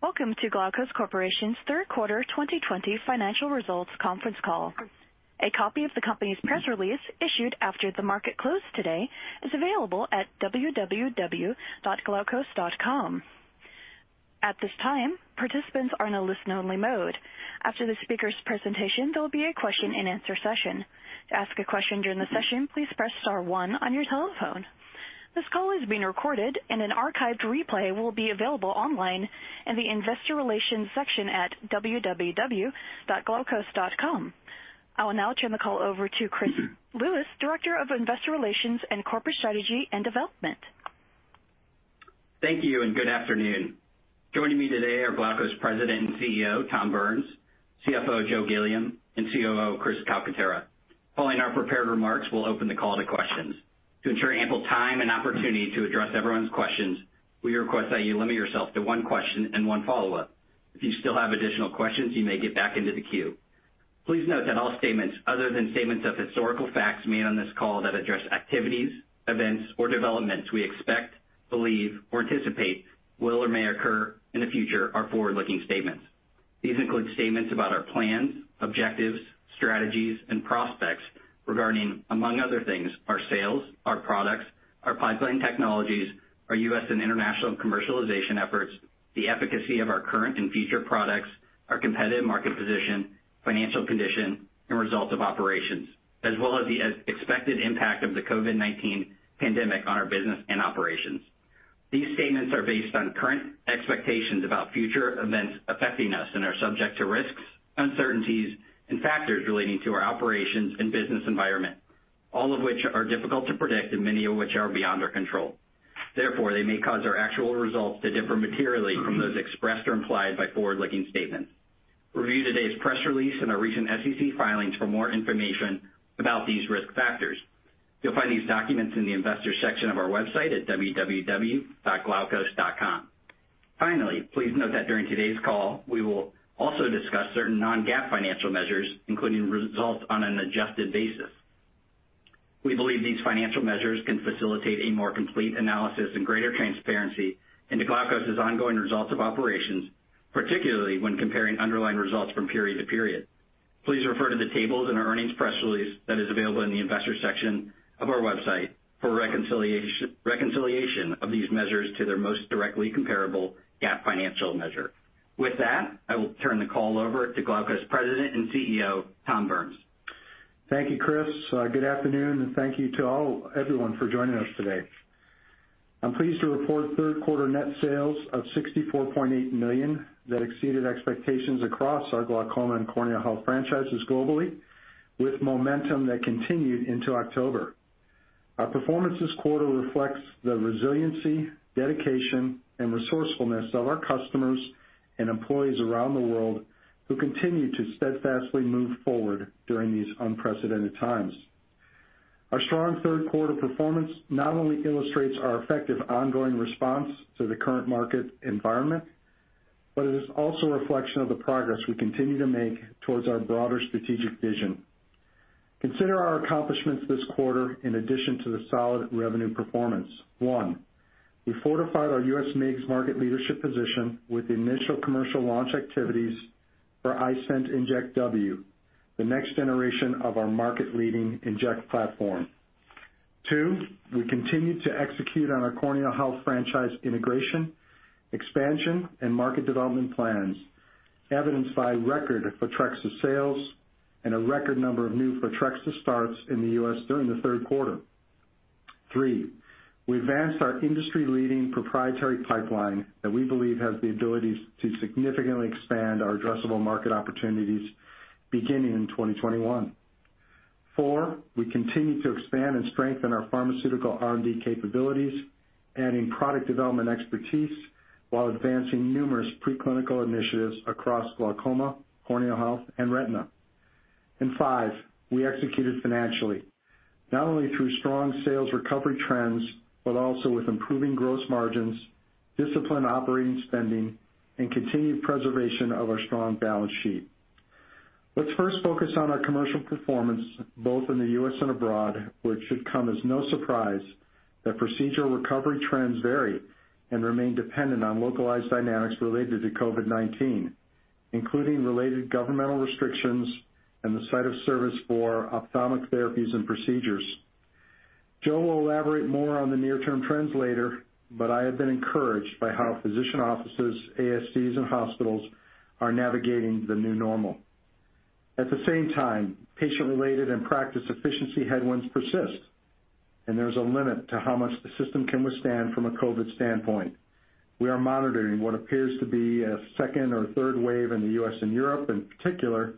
Welcome to Glaukos Corporation's third quarter 2020 financial results conference call. A copy of the company's press release issued after the market close today is available at www.glaukos.com. At this time participants are in a listen-only mode. After the speaker's presentation, there will be a question-and-answer session. To ask a question during the session, please press star one on your telephone. This call is being recorded and the archive to replay will be available online in the investor relation section at www.glaukos.com. I will now turn the call over to Chris Lewis, Director of Investor Relations and Corporate Strategy and Development. Thank you, and good afternoon. Joining me today are Glaukos President and CEO, Tom Burns, CFO, Joe Gilliam, and COO, Chris Calcaterra. Following our prepared remarks, we will open the call to questions. To ensure ample time and opportunity to address everyone's questions, we request that you limit yourself to one question and one follow-up. If you still have additional questions, you may get back into the queue. Please note that all statements other than statements of historical facts made on this call that address activities, events, or developments we expect, believe, or anticipate will or may occur in the future are forward-looking statements. These include statements about our plans, objectives, strategies, and prospects regarding, among other things, our sales, our products, our pipeline technologies, our U.S. International commercialization efforts, the efficacy of our current and future products, our competitive market position, financial condition, and results of operations, as well as the expected impact of the COVID-19 pandemic on our business and operations. These statements are based on current expectations about future events affecting us and are subject to risks, uncertainties, and factors relating to our operations and business environment, all of which are difficult to predict and many of which are beyond our control. They may cause our actual results to differ materially from those expressed or implied by forward-looking statements. Review today's press release and our recent SEC filings for more information about these risk factors. You'll find these documents in the investor section of our website at www.glaukos.com. Finally, please note that during today's call, we will also discuss certain non-GAAP financial measures, including results on an adjusted basis. We believe these financial measures can facilitate a more complete analysis and greater transparency into Glaukos' ongoing results of operations, particularly when comparing underlying results from period to period. Please refer to the tables in our earnings press release that is available in the investor section of our website for reconciliation of these measures to their most directly comparable GAAP financial measure. With that, I will turn the call over to Glaukos President and CEO, Tom Burns. Thank you, Chris. Good afternoon and thank you to everyone for joining us today. I'm pleased to report third quarter net sales of $64.8 million that exceeded expectations across our glaucoma and corneal health franchises globally, with momentum that continued into October. Our performance this quarter reflects the resiliency, dedication, and resourcefulness of our customers and employees around the world who continue to steadfastly move forward during these unprecedented times. Our strong third quarter performance not only illustrates our effective ongoing response to the current market environment, but it is also a reflection of the progress we continue to make towards our broader strategic vision. Consider our accomplishments this quarter in addition to the solid revenue performance. One, we fortified our U.S. MIGS market leadership position with initial commercial launch activities for iStent inject W, the next generation of our market-leading inject platform. Two, we continued to execute on our corneal health franchise integration, expansion, and market development plans, evidenced by record Photrexa sales and a record number of new Photrexa starts in the U.S. during the third quarter. Three, we advanced our industry-leading proprietary pipeline that we believe has the ability to significantly expand our addressable market opportunities beginning in 2021. Four, we continued to expand and strengthen our pharmaceutical R&D capabilities, adding product development expertise while advancing numerous pre-clinical initiatives across glaucoma, corneal health, and retina. Five, we executed financially, not only through strong sales recovery trends, but also with improving gross margins, disciplined operating spending, and continued preservation of our strong balance sheet. Let's first focus on our commercial performance, both in the U.S. and abroad, which should come as no surprise that procedural recovery trends vary and remain dependent on localized dynamics related to COVID-19, including related governmental restrictions and the site of service for ophthalmic therapies and procedures. Joe will elaborate more on the near-term trends later. I have been encouraged by how physician offices, ASCs, and hospitals are navigating the new normal. At the same time, patient-related and practice efficiency headwinds persist. There's a limit to how much the system can withstand from a COVID standpoint. We are monitoring what appears to be a second or third wave in the U.S. and Europe, in particular,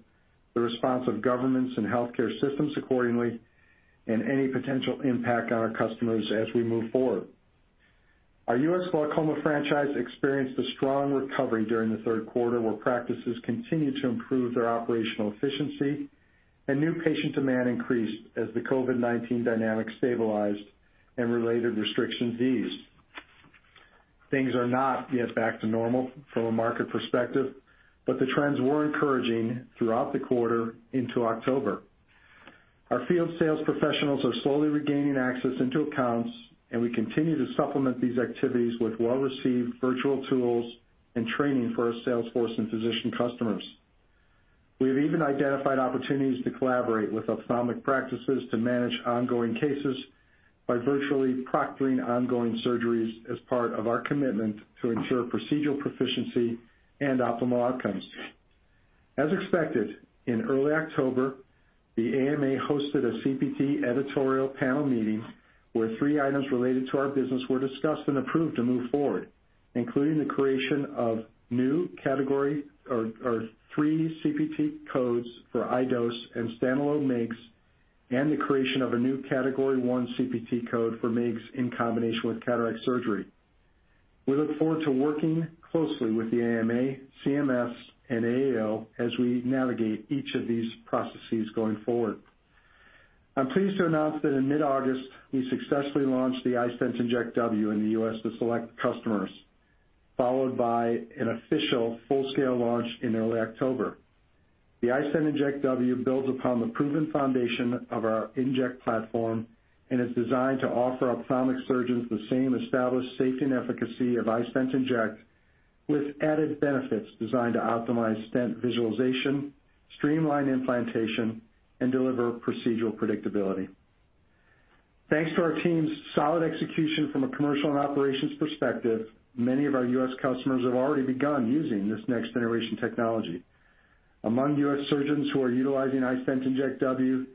the response of governments and healthcare systems accordingly, and any potential impact on our customers as we move forward. Our U.S. glaucoma franchise experienced a strong recovery during the third quarter, where practices continued to improve their operational efficiency and new patient demand increased as the COVID-19 dynamics stabilized and related restrictions eased. Things are not yet back to normal from a market perspective. The trends were encouraging throughout the quarter into October. Our field sales professionals are slowly regaining access into accounts. We continue to supplement these activities with well-received virtual tools and training for our sales force and physician customers. We have even identified opportunities to collaborate with ophthalmic practices to manage ongoing cases by virtually proctoring ongoing surgeries as part of our commitment to ensure procedural proficiency and optimal outcomes. As expected, in early October, the AMA hosted a CPT editorial panel meeting where three items related to our business were discussed and approved to move forward, including the creation of new Category III CPT codes for iDose and standalone MIGS, and the creation of a new Category I CPT code for MIGS in combination with cataract surgery. We look forward to working closely with the AMA, CMS, and AAO as we navigate each of these processes going forward. I'm pleased to announce that in mid-August, we successfully launched the iStent inject W in the U.S. with select customers, followed by an official full-scale launch in early October. The iStent inject W builds upon the proven foundation of our inject platform and is designed to offer ophthalmic surgeons the same established safety and efficacy of iStent inject, with added benefits designed to optimize stent visualization, streamline implantation, and deliver procedural predictability. Thanks to our team's solid execution from a commercial and operations perspective, many of our U.S. customers have already begun using this next-generation technology. Among U.S. surgeons who are utilizing iStent inject W,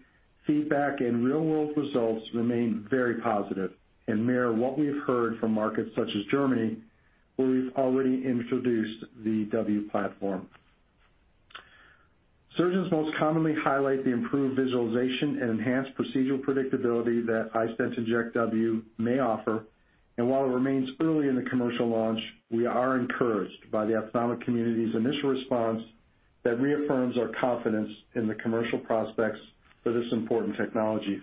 feedback and real-world results remain very positive and mirror what we have heard from markets such as Germany, where we've already introduced the W platform. Surgeons most commonly highlight the improved visualization and enhanced procedural predictability that iStent inject W may offer. While it remains early in the commercial launch, we are encouraged by the ophthalmic community's initial response that reaffirms our confidence in the commercial prospects for this important technology.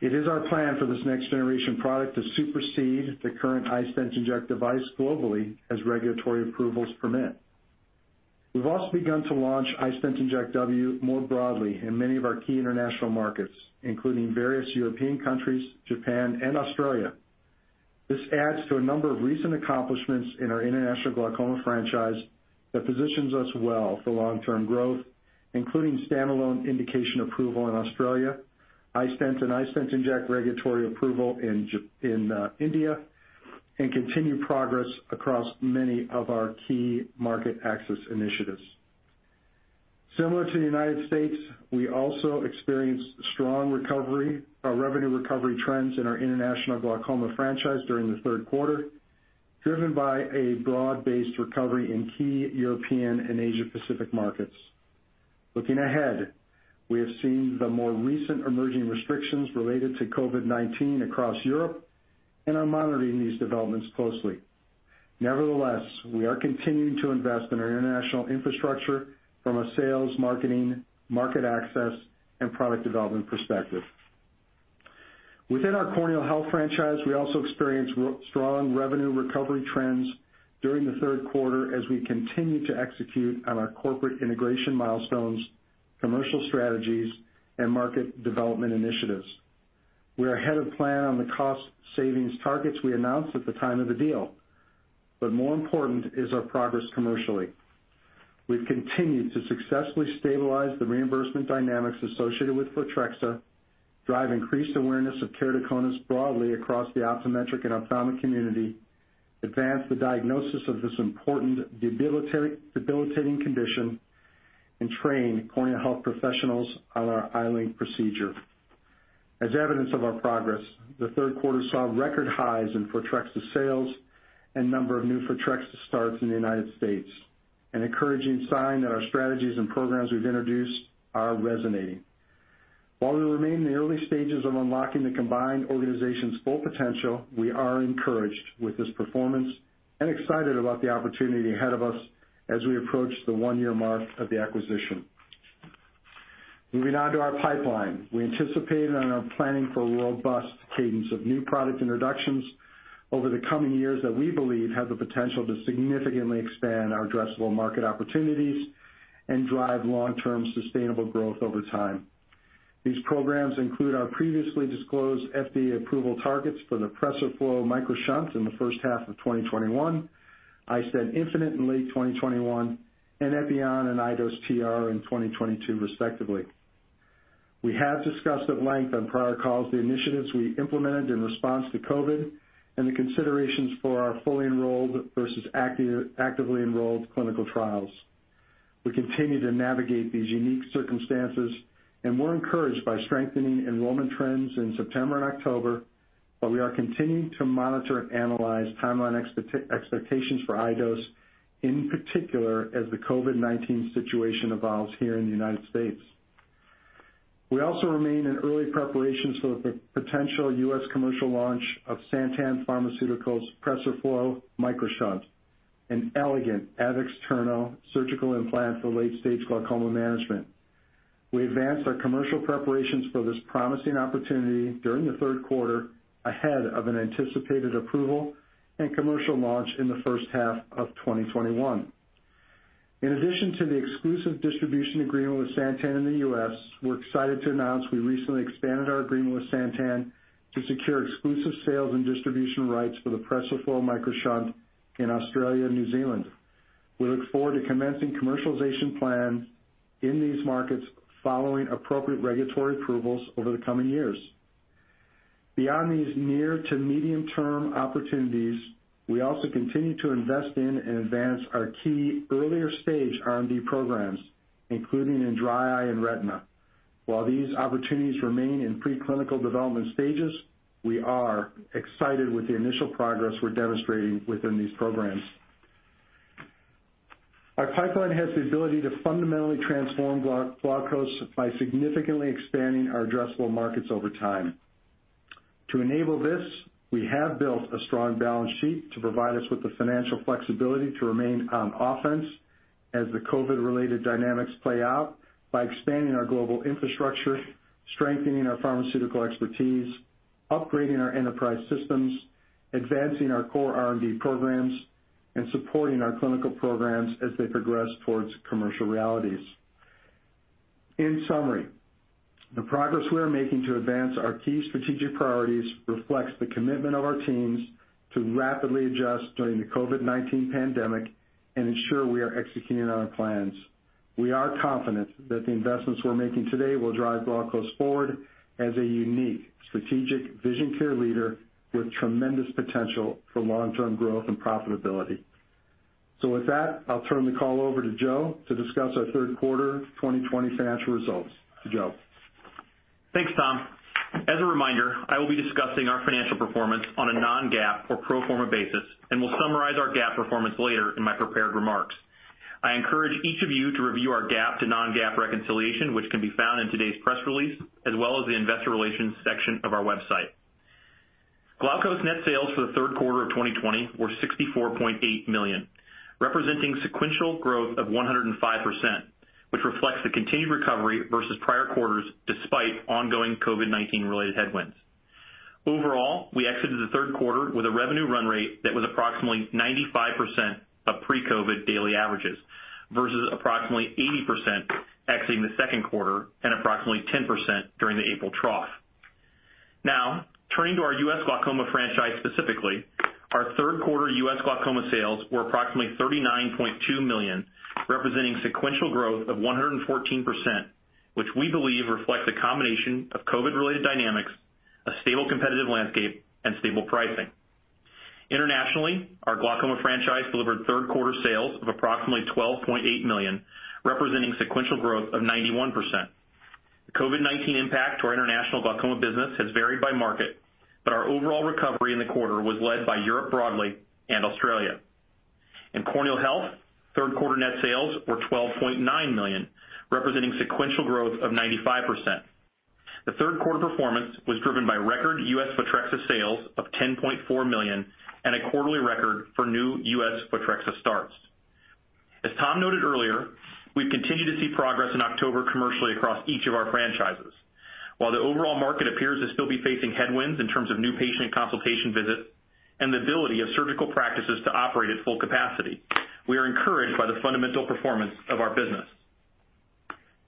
It is our plan for this next-generation product to supersede the current iStent inject device globally as regulatory approvals permit. We've also begun to launch iStent inject W more broadly in many of our key international markets, including various European countries, Japan, and Australia. This adds to a number of recent accomplishments in our international glaucoma franchise that positions us well for long-term growth, including standalone indication approval in Australia. iStent and iStent inject regulatory approval in India, and continued progress across many of our key market access initiatives. Similar to the United States, we also experienced strong revenue recovery trends in our international glaucoma franchise during the third quarter, driven by a broad-based recovery in key European and Asia Pacific markets. Looking ahead, we have seen the more recent emerging restrictions related to COVID-19 across Europe and are monitoring these developments closely. Nevertheless, we are continuing to invest in our international infrastructure from a sales, marketing, market access, and product development perspective. Within our corneal health franchise, we also experienced strong revenue recovery trends during the third quarter as we continue to execute on our corporate integration milestones, commercial strategies, and market development initiatives. We are ahead of plan on the cost savings targets we announced at the time of the deal. More important is our progress commercially. We've continued to successfully stabilize the reimbursement dynamics associated with Photrexa, drive increased awareness of keratoconus broadly across the optometric and ophthalmic community, advance the diagnosis of this important debilitating condition, and train corneal health professionals on our iLink procedure. As evidence of our progress, the third quarter saw record highs in Photrexa sales and number of new Photrexa starts in the U.S., an encouraging sign that our strategies and programs we've introduced are resonating. While we remain in the early stages of unlocking the combined organization's full potential, we are encouraged with this performance and excited about the opportunity ahead of us as we approach the one-year mark of the acquisition. Moving on to our pipeline. We anticipate and are planning for a robust cadence of new product introductions over the coming years that we believe have the potential to significantly expand our addressable market opportunities and drive long-term sustainable growth over time. These programs include our previously disclosed FDA approval targets for the PRESERFLO MicroShunt in the first half of 2021, iStent infinite in late 2021, and epi-on and iDose TR in 2022, respectively. We have discussed at length on prior calls the initiatives we implemented in response to COVID and the considerations for our fully enrolled versus actively enrolled clinical trials. We continue to navigate these unique circumstances, and we're encouraged by strengthening enrollment trends in September and October, but we are continuing to monitor and analyze timeline expectations for iDose, in particular, as the COVID-19 situation evolves here in the U.S. We also remain in early preparations for the potential U.S. commercial launch of Santen Pharmaceutical's PRESERFLO MicroShunt, an elegant ab externo surgical implant for late-stage glaucoma management. We advanced our commercial preparations for this promising opportunity during the third quarter ahead of an anticipated approval and commercial launch in the first half of 2021. In addition to the exclusive distribution agreement with Santen in the U.S., we're excited to announce we recently expanded our agreement with Santen to secure exclusive sales and distribution rights for the PRESERFLO MicroShunt in Australia and New Zealand. We look forward to commencing commercialization plans in these markets following appropriate regulatory approvals over the coming years. Beyond these near to medium term opportunities, we also continue to invest in and advance our key earlier stage R&D programs, including in dry eye and retina. While these opportunities remain in pre-clinical development stages, we are excited with the initial progress we're demonstrating within these programs. Our pipeline has the ability to fundamentally transform Glaukos by significantly expanding our addressable markets over time. To enable this, we have built a strong balance sheet to provide us with the financial flexibility to remain on offense as the COVID-related dynamics play out by expanding our global infrastructure, strengthening our pharmaceutical expertise, upgrading our enterprise systems, advancing our core R&D programs, and supporting our clinical programs as they progress towards commercial realities. In summary, the progress we are making to advance our key strategic priorities reflects the commitment of our teams to rapidly adjust during the COVID-19 pandemic and ensure we are executing on our plans. We are confident that the investments we're making today will drive Glaukos forward as a unique strategic vision care leader with tremendous potential for long-term growth and profitability. With that, I'll turn the call over to Joe to discuss our third quarter 2020 financial results. Joe. Thanks, Tom. As a reminder, I will be discussing our financial performance on a non-GAAP or pro forma basis and will summarize our GAAP performance later in my prepared remarks. I encourage each of you to review our GAAP to non-GAAP reconciliation, which can be found in today's press release, as well as the investor relations section of our website. Glaukos net sales for the third quarter of 2020 were $64.8 million, representing sequential growth of 105%, which reflects the continued recovery versus prior quarters, despite ongoing COVID-19 related headwinds. Overall, we exited the third quarter with a revenue run rate that was approximately 95% of pre-COVID daily averages versus approximately 80% exiting the second quarter and approximately 10% during the April trough. Turning to our U.S. glaucoma franchise specifically, our third quarter U.S. glaucoma sales were approximately $39.2 million, representing sequential growth of 114%, which we believe reflects a combination of COVID-19 related dynamics, a stable competitive landscape, and stable pricing. Internationally, our glaucoma franchise delivered third quarter sales of approximately $12.8 million, representing sequential growth of 91%. The COVID-19 impact to our international glaucoma business has varied by market, our overall recovery in the quarter was led by Europe broadly and Australia. In corneal health, third quarter net sales were $12.9 million, representing sequential growth of 95%. The third quarter performance was driven by record U.S. Photrexa sales of $10.4 million and a quarterly record for new U.S. Photrexa starts. As Tom noted earlier, we've continued to see progress in October commercially across each of our franchises. While the overall market appears to still be facing headwinds in terms of new patient consultation visits and the ability of surgical practices to operate at full capacity, we are encouraged by the fundamental performance of our business.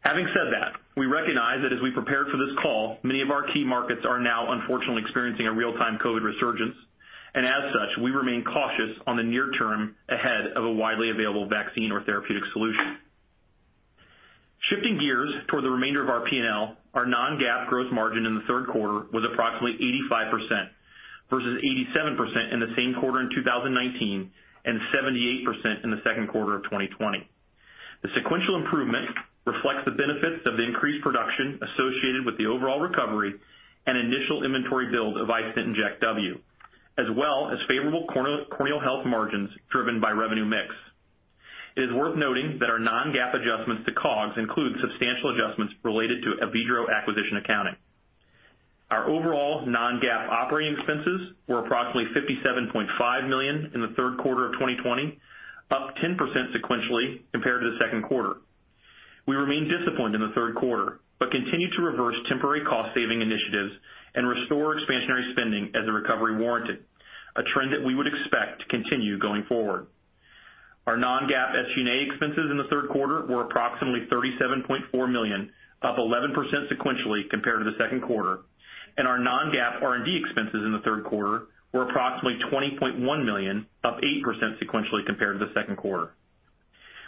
Having said that, we recognize that as we prepared for this call, many of our key markets are now unfortunately experiencing a real-time COVID-19 resurgence, and as such, we remain cautious on the near term ahead of a widely available vaccine or therapeutic solution. Shifting gears toward the remainder of our P&L, our non-GAAP gross margin in the third quarter was approximately 85% versus 87% in the same quarter in 2019 and 78% in the second quarter of 2020. The sequential improvement reflects the benefits of the increased production associated with the overall recovery and initial inventory build of iStent inject W, as well as favorable corneal health margins driven by revenue mix. It is worth noting that our non-GAAP adjustments to COGS include substantial adjustments related to Avedro acquisition accounting. Our overall non-GAAP operating expenses were approximately $57.5 million in the third quarter of 2020, up 10% sequentially compared to the second quarter. We remain disciplined in the third quarter, but continue to reverse temporary cost saving initiatives and restore expansionary spending as the recovery warranted, a trend that we would expect to continue going forward. Our non-GAAP SG&A expenses in the third quarter were approximately $37.4 million, up 11% sequentially compared to the second quarter, and our non-GAAP R&D expenses in the third quarter were approximately $20.1 million, up 8% sequentially compared to the second quarter.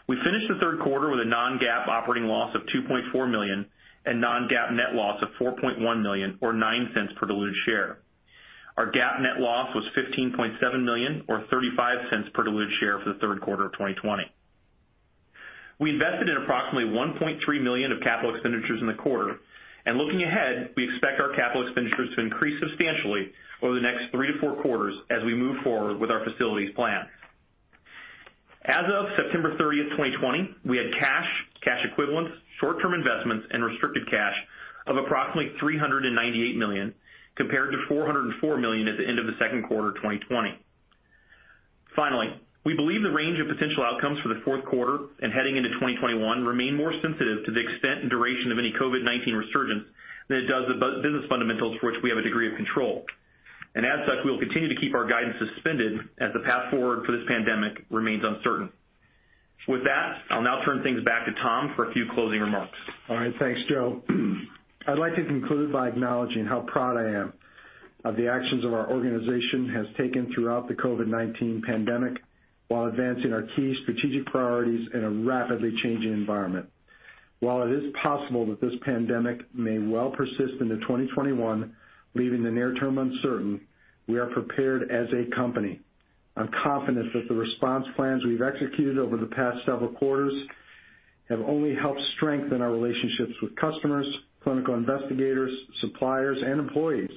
We finished the third quarter with a non-GAAP operating loss of $2.4 million and non-GAAP net loss of $4.1 million or $0.09 per diluted share. Our GAAP net loss was $15.7 million or $0.35 per diluted share for the third quarter of 2020. We invested in approximately $1.3 million of capital expenditures in the quarter. Looking ahead, we expect our capital expenditures to increase substantially over the next three-four quarters as we move forward with our facilities plan. As of September 30, 2020, we had cash equivalents, short-term investments, and restricted cash of approximately $398 million compared to $404 million at the end of the second quarter 2020. Finally, we believe the range of potential outcomes for the fourth quarter and heading into 2021 remain more sensitive to the extent and duration of any COVID-19 resurgence than it does the business fundamentals for which we have a degree of control. As such, we will continue to keep our guidance suspended as the path forward for this pandemic remains uncertain. With that, I'll now turn things back to Tom for a few closing remarks. All right. Thanks, Joe. I'd like to conclude by acknowledging how proud I am of the actions our organization has taken throughout the COVID-19 pandemic while advancing our key strategic priorities in a rapidly changing environment. While it is possible that this pandemic may well persist into 2021, leaving the near term uncertain, we are prepared as a company. I'm confident that the response plans we've executed over the past several quarters have only helped strengthen our relationships with customers, clinical investigators, suppliers, and employees,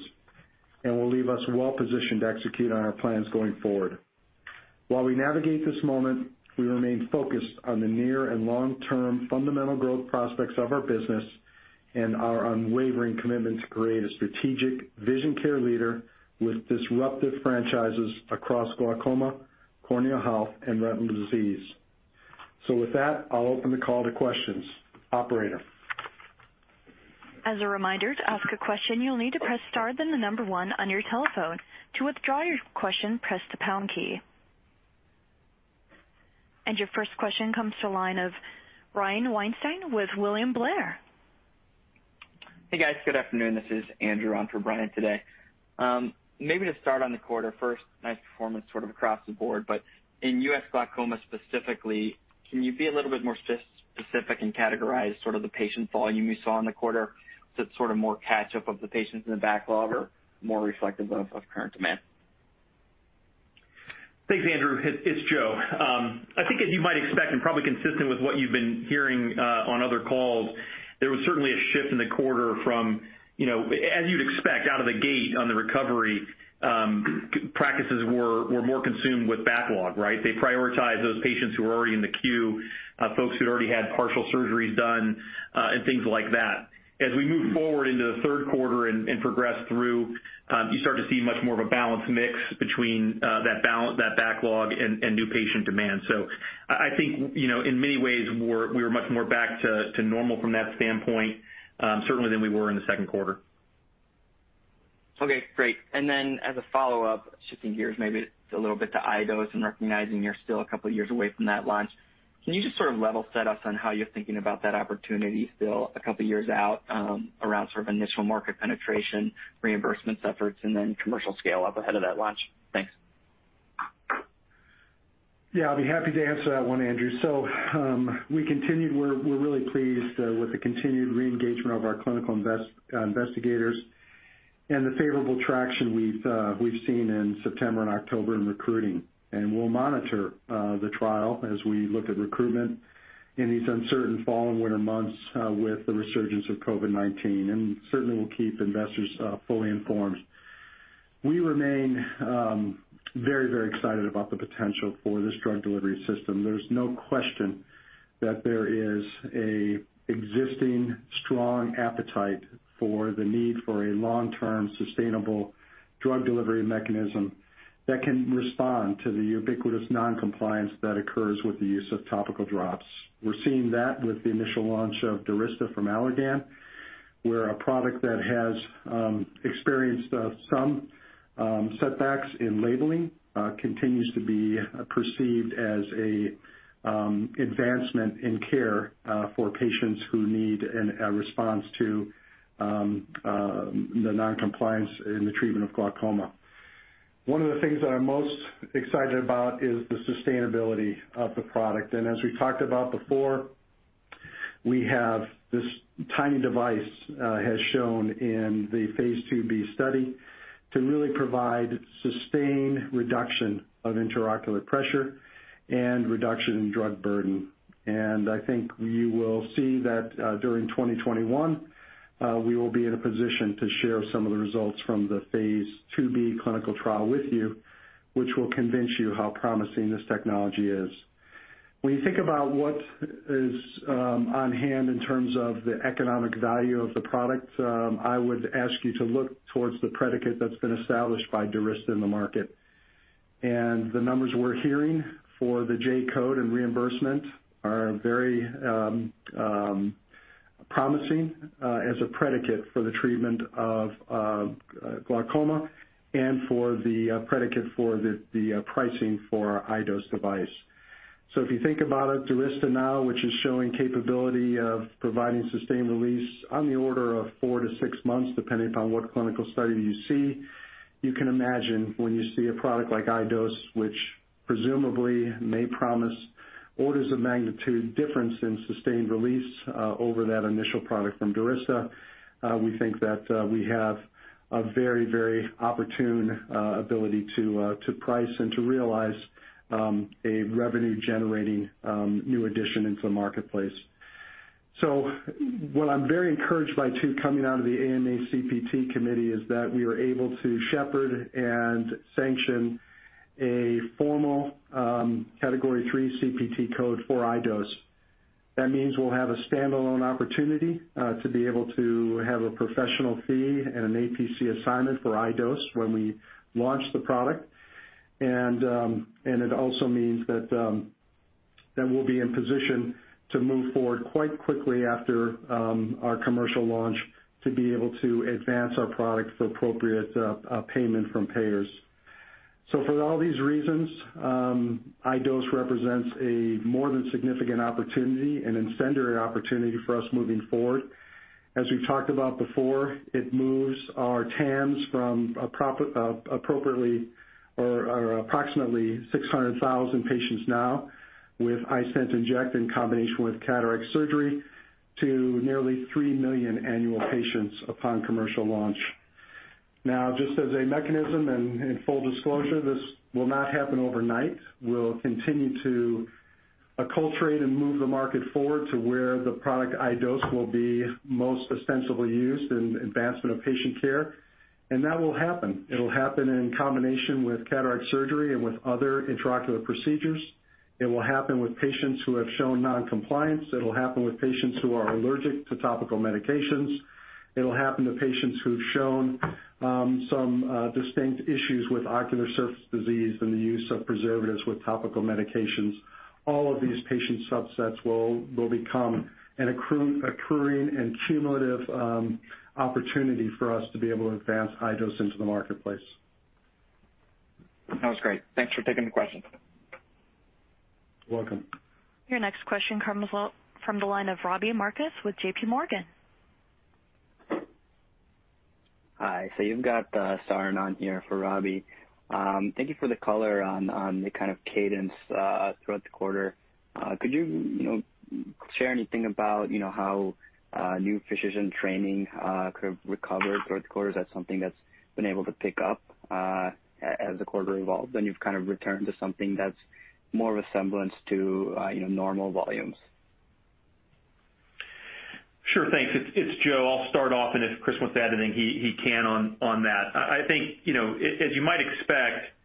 and will leave us well positioned to execute on our plans going forward. While we navigate this moment, we remain focused on the near and long-term fundamental growth prospects of our business and our unwavering commitment to create a strategic vision care leader with disruptive franchises across glaucoma, corneal health, and retinal disease. With that, I'll open the call to questions. Operator? As a reminder, to ask a question, you'll need to press star then the number one on your telephone. To withdraw your question, press the pound key. Your first question comes to line of Brian Weinstein with William Blair. Hey, guys. Good afternoon. This is Andrew on for Brian today. Maybe to start on the quarter first, nice performance sort of across the board. In U.S. glaucoma specifically, can you be a little bit more specific and categorize sort of the patient volume you saw in the quarter? Is it sort of more catch-up of the patients in the backlog or more reflective of current demand? Thanks, Andrew. It's Joe. I think as you might expect, and probably consistent with what you've been hearing on other calls, there was certainly a shift in the quarter from, as you'd expect out of the gate on the recovery, practices were more consumed with backlog, right? They prioritize those patients who are already in the queue, folks who'd already had partial surgeries done, and things like that. As we move forward into the third quarter and progress through, you start to see much more of a balanced mix between that backlog and new patient demand. I think, in many ways, we were much more back to normal from that standpoint, certainly than we were in the second quarter. Okay, great. As a follow-up, shifting gears maybe a little bit to iDose and recognizing you're still a couple of years away from that launch. Can you just sort of level set us on how you're thinking about that opportunity still a couple of years out around sort of initial market penetration, reimbursement efforts, and then commercial scale-up ahead of that launch? Thanks. Yeah, I'd be happy to answer that one, Andrew. We're really pleased with the continued re-engagement of our clinical investigators and the favorable traction we've seen in September and October in recruiting. We'll monitor the trial as we look at recruitment in these uncertain fall and winter months with the resurgence of COVID-19. Certainly, we'll keep investors fully informed. We remain very excited about the potential for this drug delivery system. There's no question that there is an existing strong appetite for the need for a long-term sustainable drug delivery mechanism that can respond to the ubiquitous non-compliance that occurs with the use of topical drops. We're seeing that with the initial launch of DURYSTA from Allergan, where a product that has experienced some setbacks in labeling continues to be perceived as an advancement in care for patients who need a response to the non-compliance in the treatment of glaucoma. One of the things that I'm most excited about is the sustainability of the product. As we talked about before, this tiny device has shown in the phase IIb study to really provide sustained reduction of intraocular pressure and reduction in drug burden. I think you will see that during 2021, we will be in a position to share some of the results from the phase IIb clinical trial with you, which will convince you how promising this technology is. When you think about what is on hand in terms of the economic value of the product, I would ask you to look towards the predicate that's been established by DURYSTA in the market. The numbers we're hearing for the J-code and reimbursement are very promising as a predicate for the treatment of glaucoma and for the predicate for the pricing for our iDose device. If you think about it, DURYSTA now, which is showing capability of providing sustained release on the order of four to six months, depending upon what clinical study you see. You can imagine when you see a product like iDose, which presumably may promise orders of magnitude difference in sustained release over that initial product from DURYSTA. We think that we have a very opportune ability to price and to realize a revenue-generating new addition into the marketplace. What I'm very encouraged by too coming out of the AMA CPT committee is that we were able to shepherd and sanction a formal Category III CPT code for iDose. That means we'll have a standalone opportunity to be able to have a professional fee and an APC assignment for iDose when we launch the product. It also means that we'll be in position to move forward quite quickly after our commercial launch to be able to advance our products for appropriate payment from payers. For all these reasons, iDose represents a more than significant opportunity, an incendiary opportunity for us moving forward. As we've talked about before, it moves our TAMs from appropriately or approximately 600,000 patients now with iStent inject in combination with cataract surgery to nearly 3 million annual patients upon commercial launch. Just as a mechanism and in full disclosure, this will not happen overnight. We'll continue to acculturate and move the market forward to where the product iDose will be most ostensibly used in advancement of patient care. That will happen. It'll happen in combination with cataract surgery and with other intraocular procedures. It will happen with patients who have shown non-compliance. It'll happen with patients who are allergic to topical medications. It'll happen to patients who've shown some distinct issues with ocular surface disease and the use of preservatives with topical medications. All of these patient subsets will become an accruing and cumulative opportunity for us to be able to advance iDose into the marketplace. That was great. Thanks for taking the question. You're welcome. Your next question comes from the line of Robbie Marcus with JPMorgan. Hi. You've got Sarin on here for Robbie. Thank you for the color on the kind of cadence throughout the quarter. Could you share anything about how new physician training could have recovered throughout the quarter? Is that something that's been able to pick up as the quarter evolved, and you've kind of returned to something that's more of a semblance to normal volumes? Sure. Thanks. It's Joe. I'll start off, and if Chris wants to add anything, he can on that. I think, as you might expect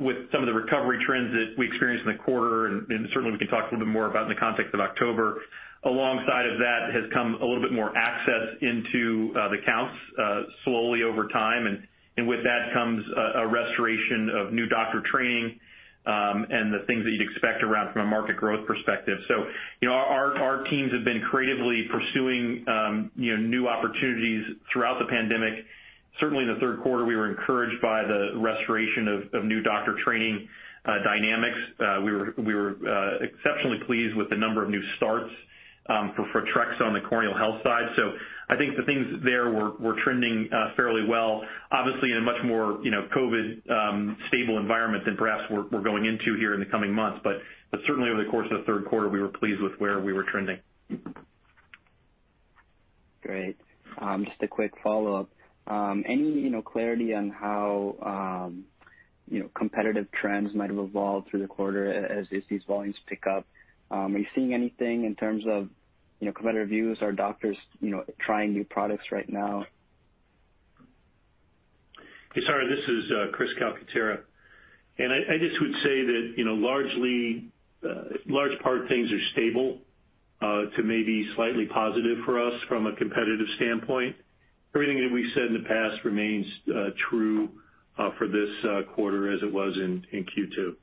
with some of the recovery trends that we experienced in the quarter, and certainly we can talk a little bit more about in the context of October, alongside of that has come a little bit more access into the counts slowly over time. With that comes a restoration of new doctor training, and the things that you'd expect around from a market growth perspective. Our teams have been creatively pursuing new opportunities throughout the pandemic. Certainly in the third quarter, we were encouraged by the restoration of new doctor training dynamics. We were exceptionally pleased with the number of new starts for Photrexa on the corneal health side. I think the things there were trending fairly well, obviously in a much more COVID stable environment than perhaps we're going into here in the coming months. Certainly over the course of the third quarter, we were pleased with where we were trending. Great. Just a quick follow-up. Any clarity on how competitive trends might have evolved through the quarter as these volumes pick up? Are you seeing anything in terms of competitor views? Are doctors trying new products right now? Hey, sorry, this is Chris Calcaterra. I just would say that large part things are stable to maybe slightly positive for us from a competitive standpoint. Everything that we said in the past remains true for this quarter as it was in Q2.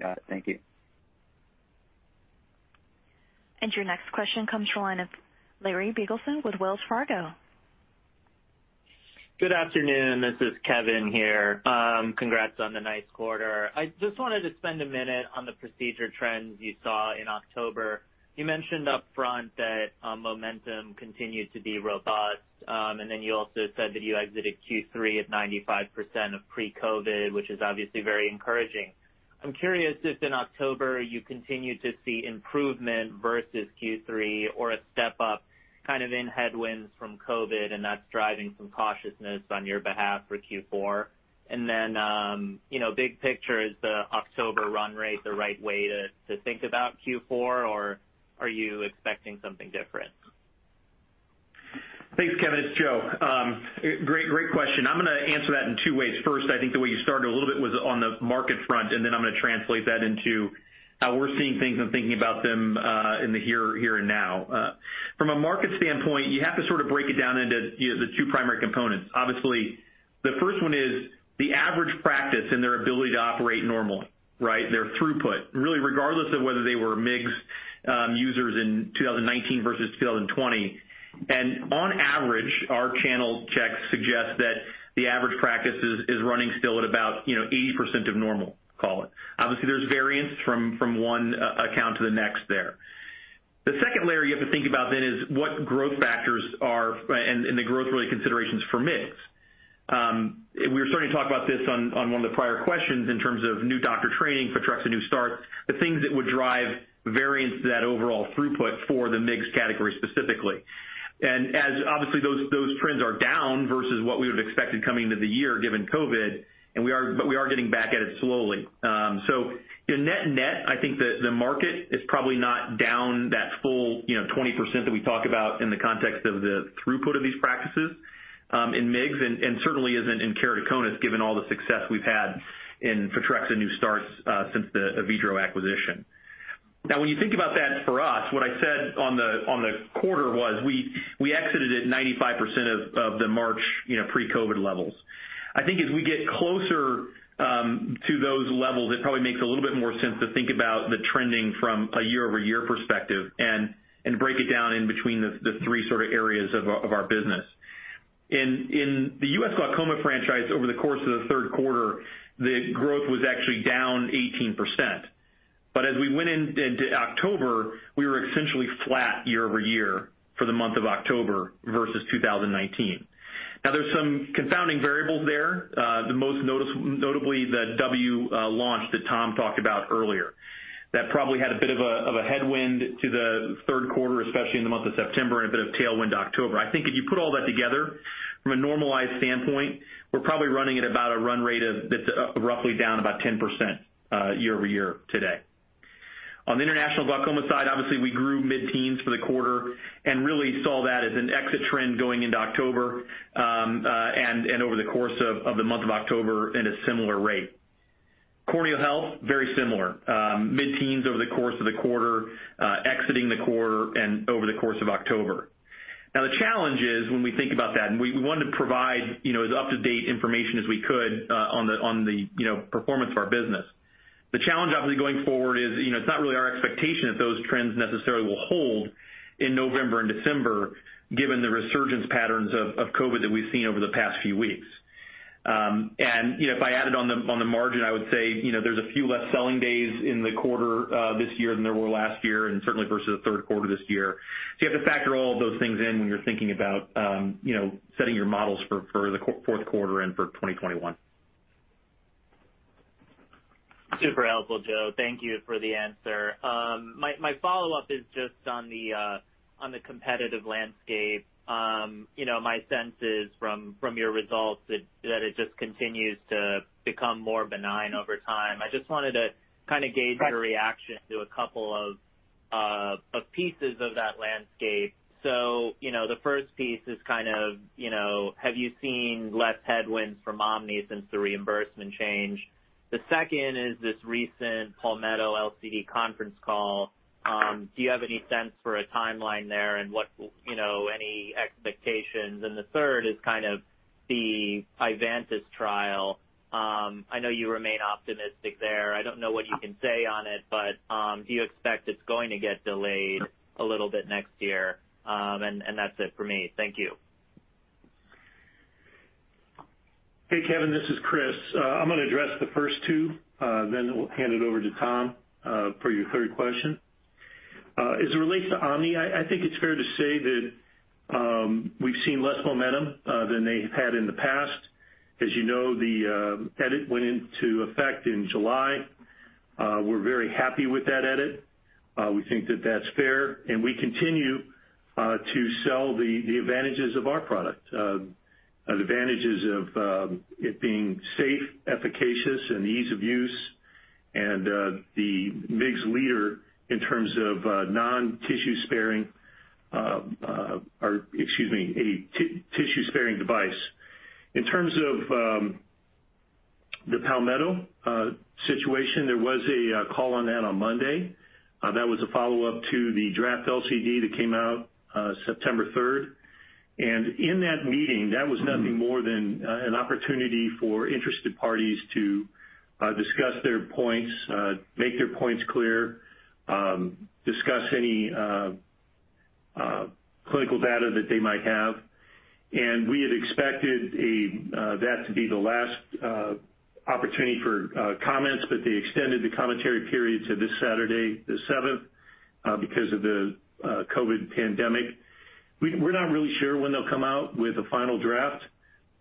Got it. Thank you. Your next question comes from the line of Larry Biegelsen with Wells Fargo. Good afternoon. This is Kevin here. Congrats on the nice quarter. I just wanted to spend a minute on the procedure trends you saw in October. You mentioned upfront that momentum continued to be robust. You also said that you exited Q3 at 95% of pre-COVID, which is obviously very encouraging. I'm curious if in October you continued to see improvement versus Q3 or a step up kind of in headwinds from COVID and that's driving some cautiousness on your behalf for Q4. Big picture, is the October run rate the right way to think about Q4 or are you expecting something different? Thanks, Kevin. It's Joe. Great question. I'm going to answer that in two ways. First, I think the way you started a little bit was on the market front, then I'm going to translate that into how we're seeing things and thinking about them in the here and now. From a market standpoint, you have to sort of break it down into the two primary components. Obviously, the first one is the average practice and their ability to operate normally. Their throughput, really regardless of whether they were MIGS users in 2019 versus 2020. On average, our channel checks suggest that the average practice is running still at about 80% of normal, call it. Obviously, there's variance from one account to the next there. The second layer you have to think about then is what growth factors are and the growth-related considerations for MIGS. We were starting to talk about this on one of the prior questions in terms of new doctor training for Photrexa and new start, the things that would drive variance to that overall throughput for the MIGS category specifically. Obviously those trends are down versus what we would have expected coming into the year given COVID. We are getting back at it slowly. Net, I think the market is probably not down that full 20% that we talk about in the context of the throughput of these practices in MIGS and certainly isn't in Keratoconus given all the success we've had in Photrexa and new starts since the Avedro acquisition. When you think about that for us, what I said on the quarter was we exited at 95% of the March pre-COVID levels. I think as we get closer to those levels, it probably makes a little bit more sense to think about the trending from a year-over-year perspective and break it down in between the three areas of our business. In the U.S. glaucoma franchise over the course of the third quarter, the growth was actually down 18%. As we went into October, we were essentially flat year-over-year for the month of October versus 2019. There's some confounding variables there. The most notably the W launch that Tom talked about earlier. That probably had a bit of a headwind to the third quarter, especially in the month of September, and a bit of tailwind October. I think if you put all that together from a normalized standpoint, we're probably running at about a run rate of roughly down about 10% year-over-year today. On the international glaucoma side, obviously, we grew mid-teens for the quarter and really saw that as an exit trend going into October, and over the course of the month of October at a similar rate. Corneal health, very similar. Mid-teens over the course of the quarter, exiting the quarter, and over the course of October. The challenge is when we think about that, and we wanted to provide as up-to-date information as we could on the performance of our business. The challenge obviously going forward is, it's not really our expectation that those trends necessarily will hold in November and December given the resurgence patterns of COVID that we've seen over the past few weeks. If I added on the margin, I would say, there's a few less selling days in the quarter this year than there were last year, and certainly versus the third quarter this year. You have to factor all of those things in when you're thinking about setting your models for the fourth quarter and for 2021. Super helpful, Joe. Thank you for the answer. My follow-up is just on the competitive landscape. My sense is from your results that it just continues to become more benign over time. I just wanted to gauge your reaction to a couple of pieces of that landscape. The first piece is, have you seen less headwinds from OMNI since the reimbursement change? The second is this recent Palmetto LCD conference call. Do you have any sense for a timeline there and any expectations? The third is kind of the Ivantis trial. I know you remain optimistic there. I don't know what you can say on it, but do you expect it's going to get delayed a little bit next year? That's it for me. Thank you. Hey, Kevin, this is Chris. I'm going to address the first two, then we'll hand it over to Tom for your third question. As it relates to OMNI, I think it's fair to say that we've seen less momentum than they've had in the past. As you know, the edit went into effect in July. We're very happy with that edit. We think that that's fair. We continue to sell the advantages of our product. The advantages of it being safe, efficacious, and ease of use, and the MIGS leader in terms of a tissue-sparing device. In terms of the Palmetto situation, there was a call on that on Monday. That was a follow-up to the draft LCD that came out September 3rd. In that meeting, that was nothing more than an opportunity for interested parties to discuss their points, make their points clear, discuss any clinical data that they might have. We had expected that to be the last opportunity for comments, but they extended the commentary period to this Saturday the 7th because of the COVID-19 pandemic. We're not really sure when they'll come out with a final draft.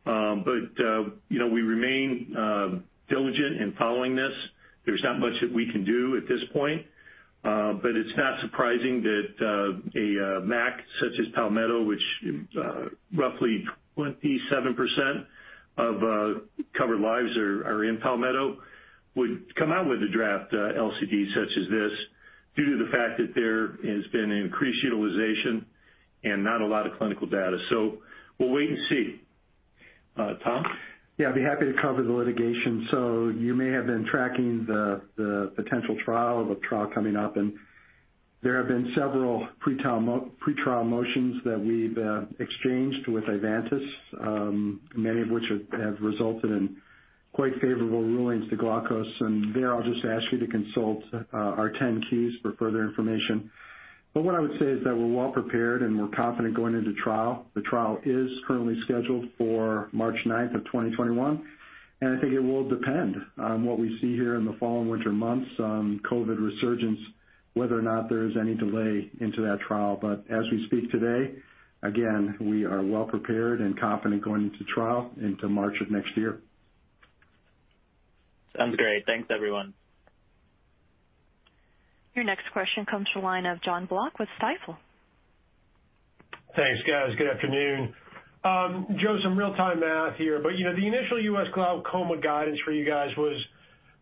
We remain diligent in following this. There's not much that we can do at this point. It's not surprising that a MAC such as Palmetto, which roughly 27% of covered lives are in Palmetto, would come out with a draft LCD such as this due to the fact that there has been increased utilization and not a lot of clinical data. We'll wait and see. Tom? Yeah, I'd be happy to cover the litigation. You may have been tracking the potential trial of a trial coming up, and there have been several pretrial motions that we've exchanged with Ivantis. Many of which have resulted in quite favorable rulings to Glaukos, and there I'll just ask you to consult our 10-Qs for further information. What I would say is that we're well prepared and we're confident going into trial. The trial is currently scheduled for March 9th of 2021, and I think it will depend on what we see here in the fall and winter months on COVID resurgence, whether or not there is any delay into that trial. As we speak today, again, we are well prepared and confident going into trial into March of next year. Sounds great. Thanks, everyone. Your next question comes from the line of Jon Block with Stifel. Thanks, guys. Good afternoon. Joe, some real-time math here. The initial U.S. glaucoma guidance for you guys was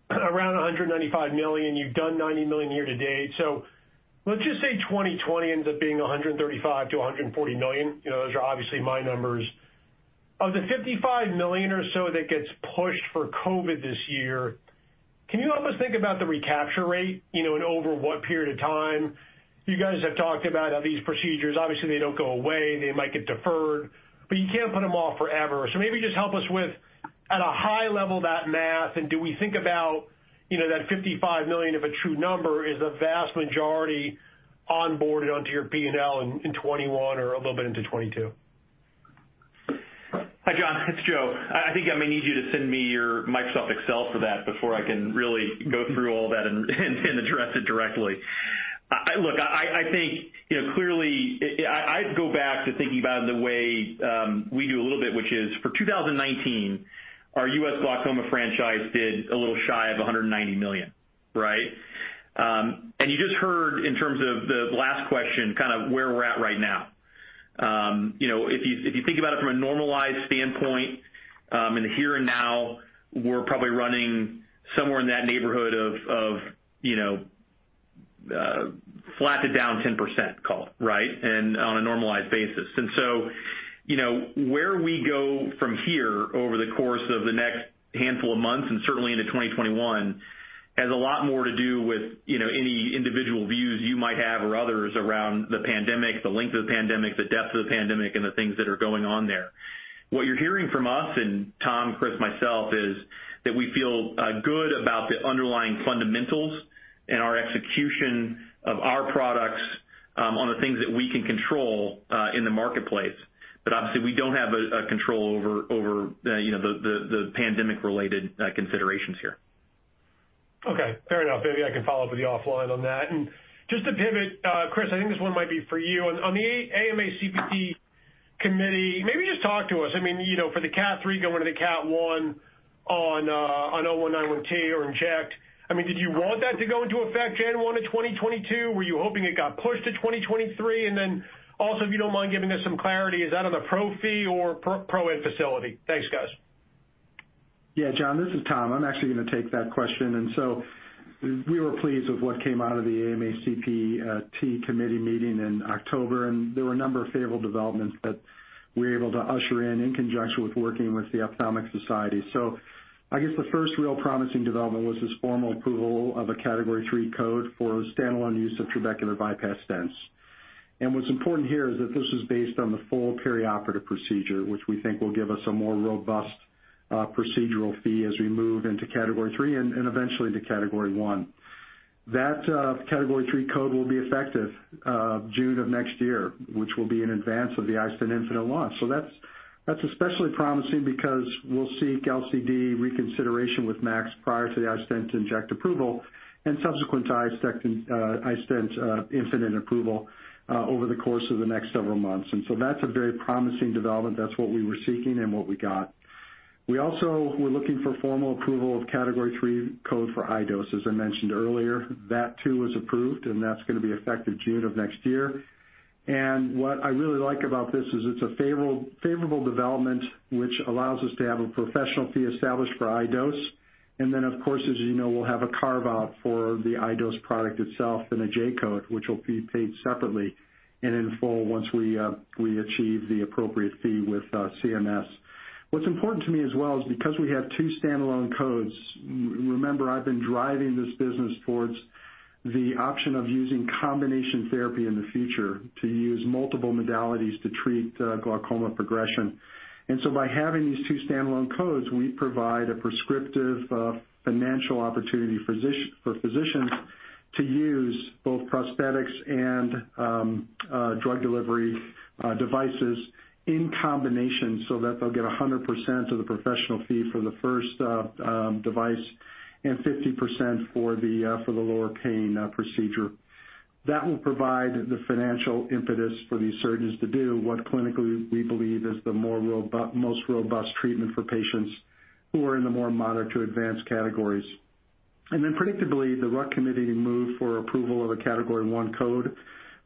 around $195 million. You've done $90 million year-to-date. Let's just say 2020 ends up being $135 million-$140 million. Those are obviously my numbers. Of the $55 million or so that gets pushed for COVID this year, can you help us think about the recapture rate, and over what period of time? You guys have talked about how these procedures, obviously they don't go away, they might get deferred, but you can't put them off forever. Maybe just help us with, at a high level, that math, and do we think about that $55 million of a true number is the vast majority onboarded onto your P&L in 2021 or a little bit into 2022? Hi, Jon, it's Joe. I think I may need you to send me your Microsoft Excel for that before I can really go through all that and address it directly. Look, I think clearly, I'd go back to thinking about it the way we do a little bit, which is for 2019, our U.S. glaucoma franchise did a little shy of $190 million. Right? You just heard in terms of the last question, kind of where we're at right now. If you think about it from a normalized standpoint, in the here and now, we're probably running somewhere in that neighborhood of flat to down 10%, call it. Right? On a normalized basis. Where we go from here over the course of the next handful of months and certainly into 2021, has a lot more to do with any individual views you might have or others around the pandemic, the length of the pandemic, the depth of the pandemic, and the things that are going on there. What you're hearing from us and Tom, Chris, myself, is that we feel good about the underlying fundamentals and our execution of our products on the things that we can control in the marketplace. Obviously, we don't have a control over the pandemic-related considerations here. Okay. Fair enough. Maybe I can follow up with you offline on that. Just to pivot, Chris, I think this one might be for you. On the AMA CPT committee, maybe just talk to us. For the Cat III going to the Cat I on 0191T or inject, did you want that to go into effect January 1, 2022? Were you hoping it got pushed to 2023? Then also, if you don't mind giving us some clarity, is that on the pro fee or pro in facility? Thanks, guys. Yeah, Jon, this is Tom. I'm actually going to take that question. We were pleased with what came out of the AMA CPT Committee meeting in October. There were a number of favorable developments that we were able to usher in conjunction with working with the Ophthalmic Society. I guess the first real promising development was this formal approval of a Category III code for standalone use of trabecular bypass stents. What's important here is that this is based on the full perioperative procedure, which we think will give us a more robust procedural fee as we move into Category III and eventually into Category I. That Category III code will be effective June of next year, which will be in advance of the iStent infinite launch. That's especially promising because we'll seek LCD reconsideration with MACs prior to the iStent inject approval and subsequent to iStent infinite approval over the course of the next several months. That's a very promising development. That's what we were seeking and what we got. We also were looking for formal approval of Category III code for iDose, as I mentioned earlier. That too was approved, and that's going to be effective June of next year. What I really like about this is it's a favorable development which allows us to have a professional fee established for iDose. Then, of course, as you know, we'll have a carve-out for the iDose product itself and a J-code, which will be paid separately and in full once we achieve the appropriate fee with CMS. What's important to me as well is because we have two standalone codes, remember, I've been driving this business towards the option of using combination therapy in the future to use multiple modalities to treat glaucoma progression. By having these two standalone codes, we provide a prescriptive financial opportunity for physicians to use both prosthetics and drug delivery devices in combination so that they'll get 100% of the professional fee for the first device and 50% for the lower pain procedure. That will provide the financial impetus for these surgeons to do what clinically we believe is the most robust treatment for patients who are in the more moderate to advanced categories. Predictably, the RUC committee moved for approval of a Category I code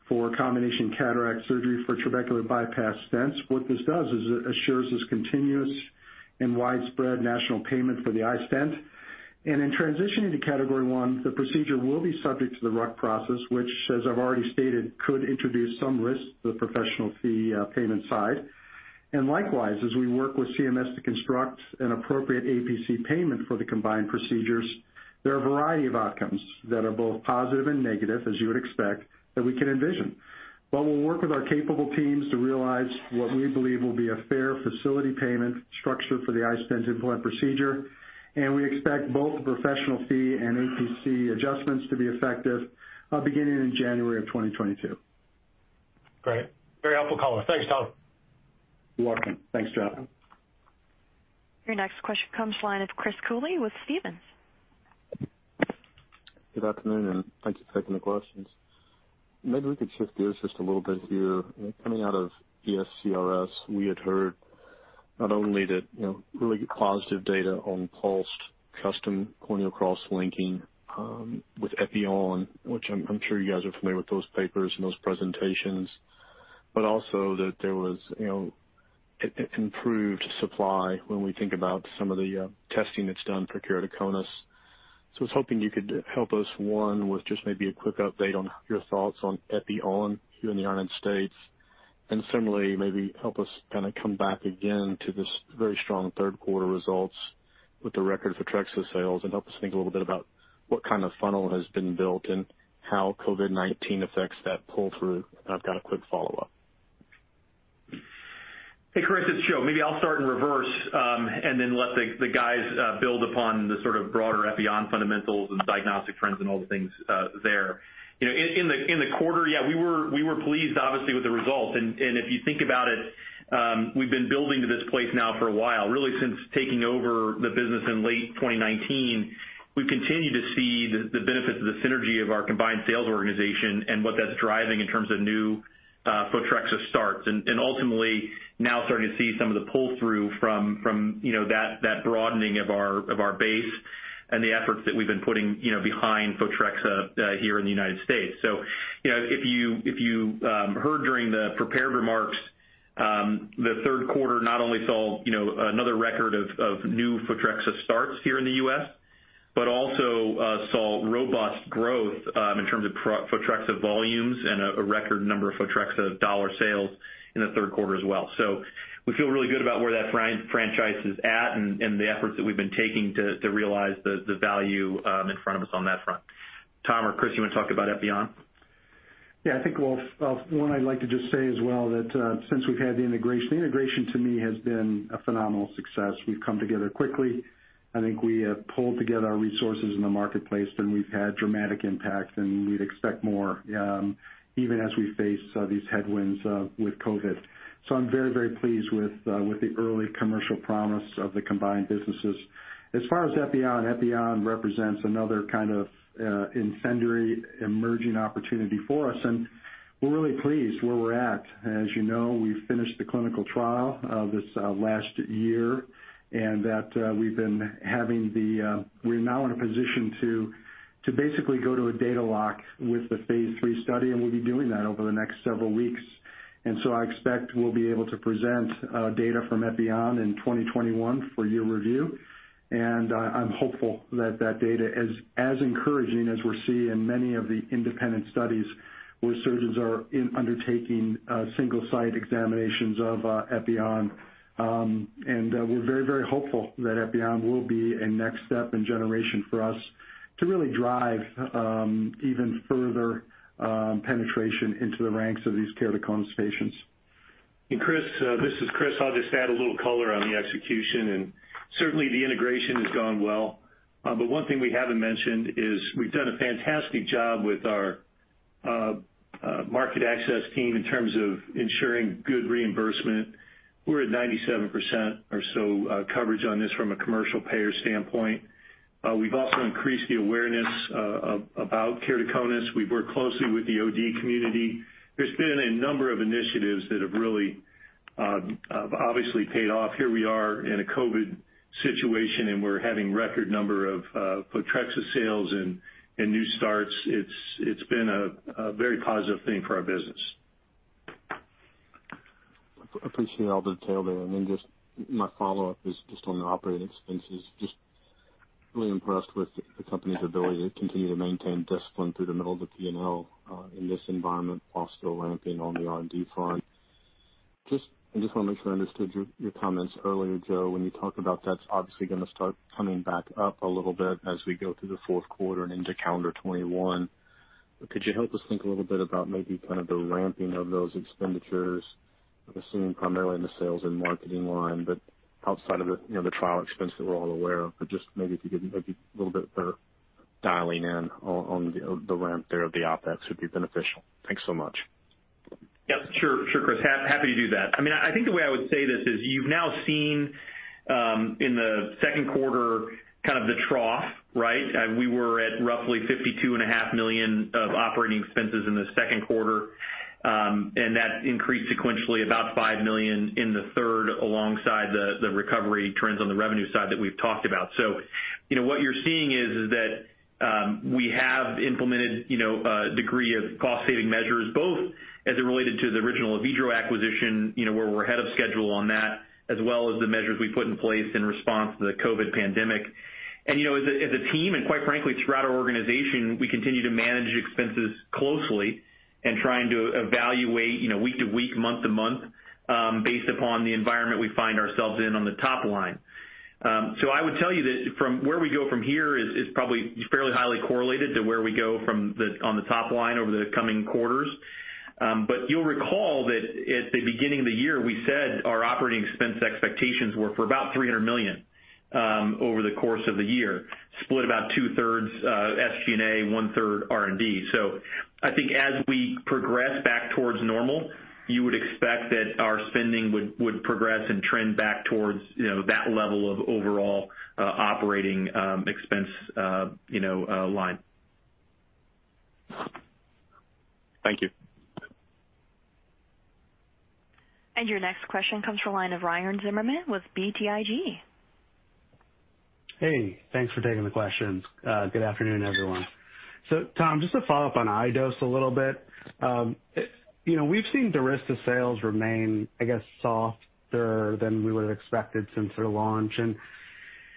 for combination cataract surgery for trabecular bypass stents. What this does is it assures us continuous and widespread national payment for the iStent. In transitioning to Category 1, the procedure will be subject to the RUC process, which, as I've already stated, could introduce some risk to the professional fee payment side. Likewise, as we work with CMS to construct an appropriate APC payment for the combined procedures, there are a variety of outcomes that are both positive and negative, as you would expect, that we can envision. We'll work with our capable teams to realize what we believe will be a fair facility payment structure for the iStent implant procedure, and we expect both the professional fee and APC adjustments to be effective beginning in January of 2022. Great. Very helpful color. Thanks, Tom. You're welcome. Thanks, Jon. Your next question comes line of Chris Cooley with Stephens. Good afternoon, and thanks for taking the questions. Maybe we could shift gears just a little bit here. Coming out of ESCRS, we had heard not only that really good positive data on pulsed custom corneal cross-linking with epi-on, which I'm sure you guys are familiar with those papers and those presentations, but also that there was improved supply when we think about some of the testing that's done for keratoconus. I was hoping you could help us, one, with just maybe a quick update on your thoughts on epi-on here in the U.S., and similarly, maybe help us come back again to this very strong third quarter results with the record Photrexa sales, and help us think a little bit about what kind of funnel has been built and how COVID-19 affects that pull-through. I've got a quick follow-up. Hey, Chris, it's Joe. Maybe I'll start in reverse and then let the guys build upon the sort of broader epi-on fundamentals and diagnostic trends and all the things there. In the quarter, yeah, we were pleased obviously with the results. If you think about it, we've been building to this place now for a while, really since taking over the business in late 2019. We've continued to see the benefits of the synergy of our combined sales organization and what that's driving in terms of new Photrexa starts. Ultimately now starting to see some of the pull-through from that broadening of our base and the efforts that we've been putting behind Photrexa here in the United States. If you heard during the prepared remarks, the third quarter not only saw another record of new Photrexa starts here in the U.S., but also saw robust growth in terms of Photrexa volumes and a record number of Photrexa dollar sales in the third quarter as well. We feel really good about where that franchise is at and the efforts that we've been taking to realize the value in front of us on that front. Tom or Chris, you want to talk about epi-on? Yeah, I think one I'd like to just say as well that since we've had the integration, the integration to me has been a phenomenal success. We've come together quickly. I think we have pulled together our resources in the marketplace, and we've had dramatic impact, and we'd expect more even as we face these headwinds with COVID. I'm very, very pleased with the early commercial promise of the combined businesses. As far as epi-on, epi-on represents another kind of incendiary emerging opportunity for us, and we're really pleased where we're at. As you know, we finished the clinical trial this last year, and that we're now in a position to basically go to a data lock with the phase III study, and we'll be doing that over the next several weeks. I expect we'll be able to present data from epi-on in 2021 for your review. I'm hopeful that that data is as encouraging as we're seeing in many of the independent studies where surgeons are undertaking single site examinations of epi-on. We're very, very hopeful that epi-on will be a next step and generation for us to really drive even further penetration into the ranks of these keratoconus patients. Chris, this is Chris. I'll just add a little color on the execution, and certainly the integration has gone well. One thing we haven't mentioned is we've done a fantastic job with our market access team in terms of ensuring good reimbursement. We're at 97% or so coverage on this from a commercial payer standpoint. We've also increased the awareness about keratoconus. We've worked closely with the OD community. There's been a number of initiatives that have really obviously paid off. Here we are in a COVID situation, and we're having record number of Photrexa sales and new starts. It's been a very positive thing for our business. I appreciate all the detail there. Then just my follow-up is just on the operating expenses. Just really impressed with the company's ability to continue to maintain discipline through the middle of the P&L in this environment while still ramping on the R&D front. I just want to make sure I understood your comments earlier, Joe, when you talked about that's obviously going to start coming back up a little bit as we go through the fourth quarter and into calendar 2021. Could you help us think a little bit about maybe kind of the ramping of those expenditures? I'm assuming primarily in the sales and marketing line, but outside of the trial expense that we're all aware of. Just maybe if you could maybe a little bit of dialing in on the ramp there of the OpEx would be beneficial. Thanks so much. Yeah, sure, Chris. Happy to do that. I think the way I would say this is you've now seen in the second quarter kind of the trough, right? We were at roughly $52.5 million of OpEx in the second quarter, That increased sequentially about $5 million in the third alongside the recovery trends on the revenue side that we've talked about. What you're seeing is that we have implemented a degree of cost saving measures both as it related to the original Avedro acquisition where we're ahead of schedule on that, as well as the measures we put in place in response to the COVID pandemic. As a team, quite frankly throughout our organization, we continue to manage expenses closely and trying to evaluate week to week, month to month based upon the environment we find ourselves in on the top line. I would tell you that from where we go from here is probably fairly highly correlated to where we go on the top line over the coming quarters. You'll recall that at the beginning of the year, we said our operating expense expectations were for about $300 million over the course of the year, split about 2/3rds SG&A, 1/3rd R&D. I think as we progress back towards normal, you would expect that our spending would progress and trend back towards that level of overall operating expense line. Thank you. Your next question comes from the line of Ryan Zimmerman with BTIG. Hey, thanks for taking the questions. Good afternoon, everyone. Tom, just to follow up on iDose a little bit. We've seen DURYSTA sales remain, I guess, softer than we would've expected since their launch.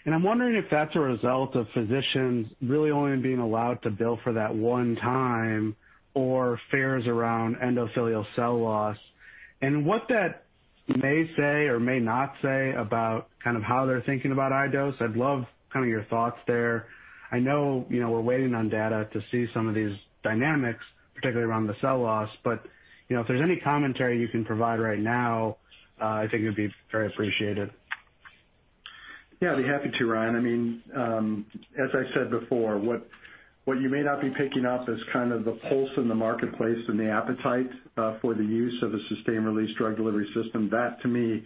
I'm wondering if that's a result of physicians really only being allowed to bill for that one time or fears around endothelial cell loss and what that may say or may not say about how they're thinking about iDose. I'd love your thoughts there. I know we're waiting on data to see some of these dynamics, particularly around the cell loss. If there's any commentary you can provide right now, I think it'd be very appreciated. Yeah, I'd be happy to, Ryan. As I said before, what you may not be picking up is kind of the pulse in the marketplace and the appetite for the use of a sustained-release drug delivery system. That, to me,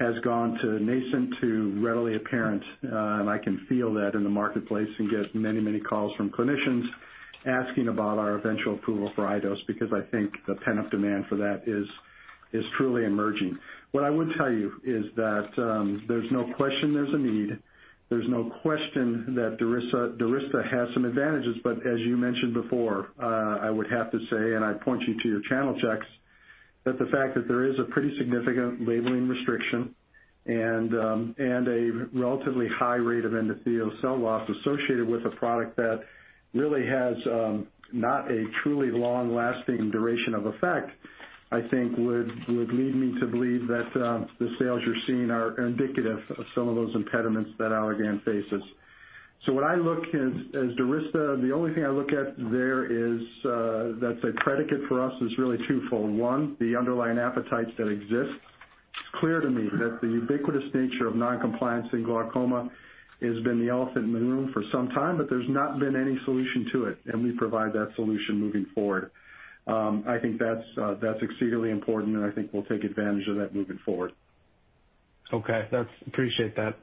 has gone from nascent to readily apparent. I can feel that in the marketplace and get many calls from clinicians asking about our eventual approval for iDose because I think the pent-up demand for that is truly emerging. What I would tell you is that there's no question there's a need. There's no question that DURYSTA has some advantages. As you mentioned before, I would have to say, and I'd point you to your channel checks, that the fact that there is a pretty significant labeling restriction and a relatively high rate of endothelial cell loss associated with a product that really has not a truly long-lasting duration of effect, I think would lead me to believe that the sales you're seeing are indicative of some of those impediments that Allergan faces. When I look at DURYSTA, the only thing I look at there is that the predicate for us is really twofold. One, the underlying appetite that exists. It's clear to me that the ubiquitous nature of non-compliance in glaucoma has been the elephant in the room for some time, but there's not been any solution to it, and we provide that solution moving forward. I think that's exceedingly important, and I think we'll take advantage of that moving forward. Okay. Appreciate those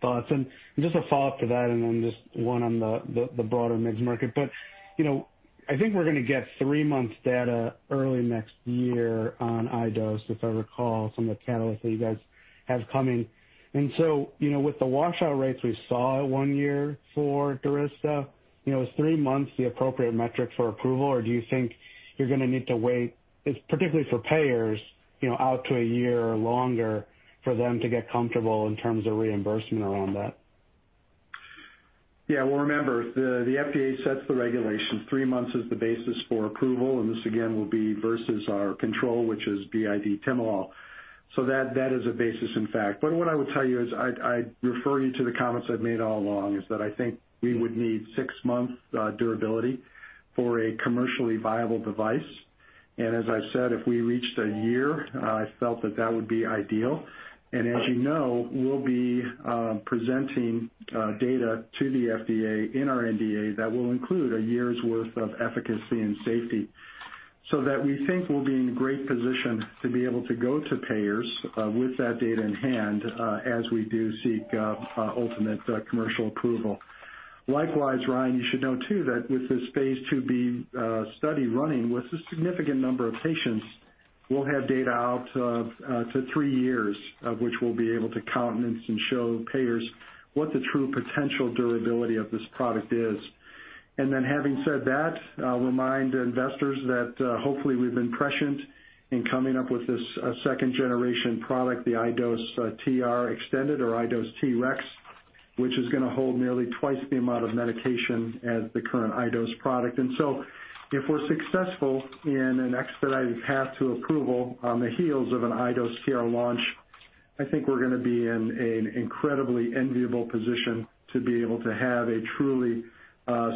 thoughts. Just a follow-up to that and then just one on the broader MIGS market. I think we're going to get three months of data early next year on iDose, if I recall, some of the catalysts that you guys have coming. With the washout rates we saw at one year for DURYSTA, is three months the appropriate metric for approval? Do you think you're going to need to wait, particularly for payers, out to one year or longer for them to get comfortable in terms of reimbursement around that? Yeah. Well, remember, the FDA sets the regulation. Three months is the basis for approval, and this, again, will be versus our control, which is BID timolol. That is a basis in fact. What I would tell you is I'd refer you to the comments I've made all along, is that I think we would need six months durability for a commercially viable device. As I've said, if we reached a year, I felt that that would be ideal. As you know, we'll be presenting data to the FDA in our NDA that will include a year's worth of efficacy and safety so that we think we'll be in great position to be able to go to payers with that data in hand as we do seek ultimate commercial approval. Likewise, Ryan, you should know too that with this phase IIb study running with a significant number of patients, we'll have data out to three years, of which we'll be able to countenance and show payers what the true potential durability of this product is. Having said that, I'll remind investors that hopefully we've been prescient in coming up with this second-generation product, the iDose TR Extended or iDose TREX, which is going to hold nearly twice the amount of medication as the current iDose product. If we're successful in an expedited path to approval on the heels of an iDose TR launch, I think we're going to be in an incredibly enviable position to be able to have a true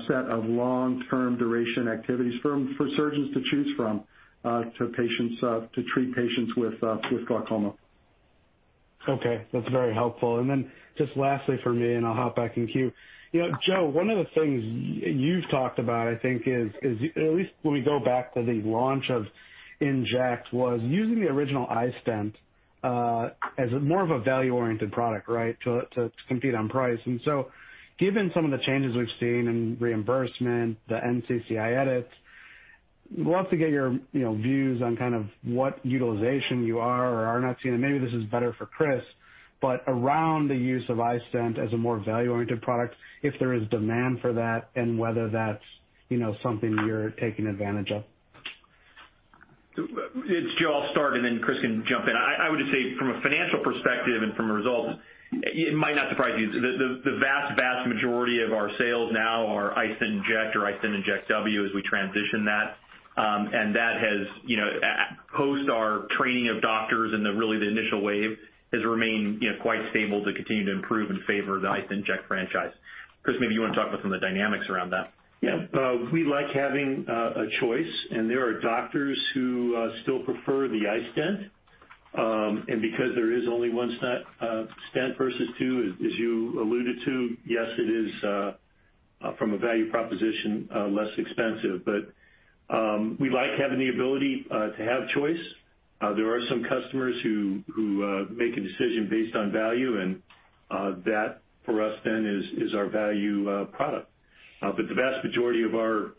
set of long-term duration activities for surgeons to choose from to treat patients with glaucoma. Okay. That's very helpful. Then just lastly from me, I'll hop back in queue. Joe, one of the things you've talked about, I think is, at least when we go back to the launch of Inject, was using the original iStent as more of a value-oriented product to compete on price. Given some of the changes we've seen in reimbursement, the NCCI edits, love to get your views on what utilization you are or are not seeing. Maybe this is better for Chris, but around the use of iStent as a more value-oriented product, if there is demand for that and whether that's something you're taking advantage of. It's Joe. I'll start, and then Chris can jump in. I would just say from a financial perspective and from a results, it might not surprise you. The vast majority of our sales now are iStent inject or iStent inject W as we transition that. That has, post our training of doctors in really the initial wave, has remained quite stable to continue to improve in favor of the iStent inject franchise. Chris, maybe you want to talk about some of the dynamics around that. Yeah. We like having a choice, and there are doctors who still prefer the iStent. Because there is only one stent versus two, as you alluded to, yes, it is, from a value proposition, less expensive. We like having the ability to have choice. There are some customers who make a decision based on value, and that for us then is our value product. The vast majority of our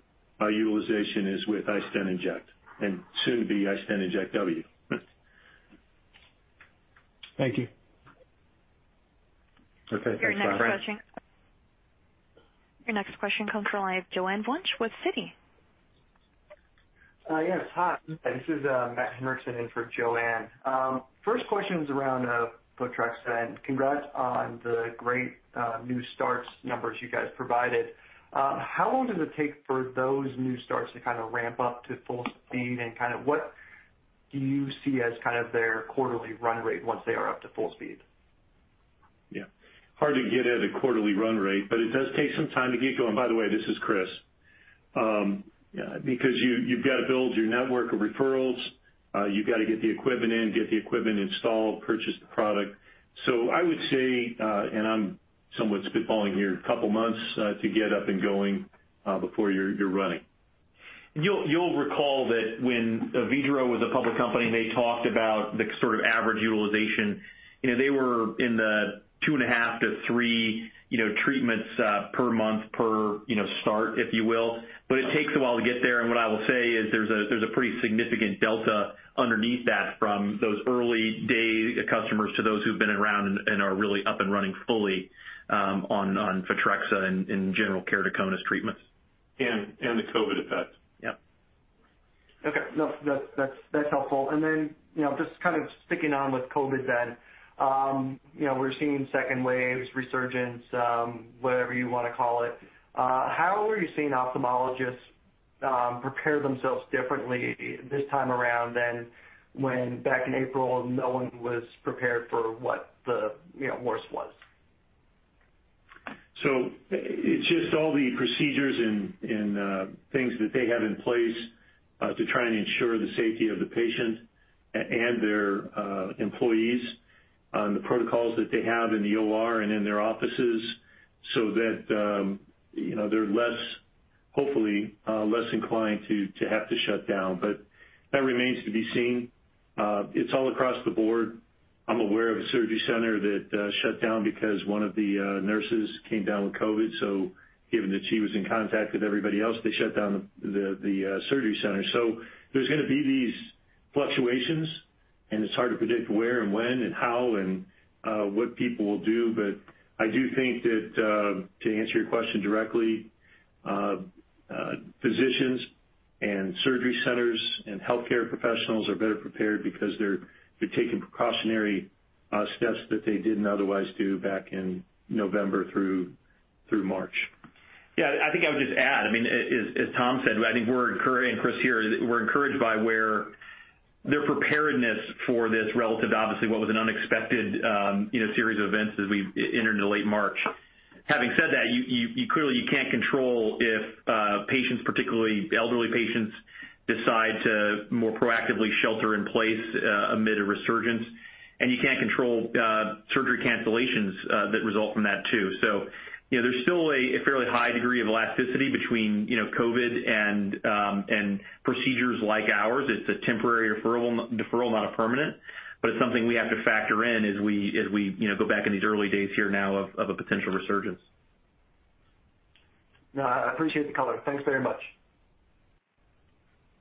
utilization is with iStent inject and soon to be iStent inject W. Thank you. Okay. Thanks, Ryan. Your next question comes from the line of Joanne Wuensch with Citi. Yes. Hi, this is Matt Henriksson in for Joanne. First question is around Photrexa, and congrats on the great new starts numbers you guys provided. How long does it take for those new starts to ramp up to full speed, and what do you see as their quarterly run rate once they are up to full speed? Yeah. Hard to get at a quarterly run rate, it does take some time to get going. By the way, this is Chris. You've got to build your network of referrals, you've got to get the equipment in, get the equipment installed, purchase the product. I would say, and I'm somewhat spitballing here, a couple of months to get up and going before you're running. You'll recall that when Avedro was a public company, they talked about the sort of average utilization. They were in the two and a half to three treatments per month per start, if you will. It takes a while to get there, and what I will say is there's a pretty significant delta underneath that from those early-day customers to those who've been around and are really up and running fully on Photrexa and general keratoconus treatments. The COVID effect. Yep. Okay. No, that's helpful. Just kind of sticking on with COVID then. We're seeing second waves, resurgence, whatever you want to call it. How are you seeing ophthalmologists prepare themselves differently this time around than when back in April, no one was prepared for what the worst was? It's just all the procedures and things that they have in place to try and ensure the safety of the patient and their employees, and the protocols that they have in the OR and in their offices so that they're hopefully less inclined to have to shut down. That remains to be seen. It's all across the board. I'm aware of a surgery center that shut down because one of the nurses came down with COVID. Given that she was in contact with everybody else, they shut down the surgery center. There's going to be these fluctuations, and it's hard to predict where and when and how and what people will do. I do think that, to answer your question directly, physicians and surgery centers and healthcare professionals are better prepared because they're taking precautionary steps that they didn't otherwise do back in November through March. Yeah, I think I would just add, as Tom said, I think we're, and Chris here, we're encouraged by their preparedness for this relative to obviously what was an unexpected series of events as we entered into late March. Having said that, you clearly can't control if patients, particularly elderly patients, decide to more proactively shelter in place amid a resurgence, and you can't control surgery cancellations that result from that, too. There's still a fairly high degree of elasticity between COVID and procedures like ours. It's a temporary deferral, not a permanent, it's something we have to factor in as we go back in these early days here now of a potential resurgence. I appreciate the color. Thanks very much.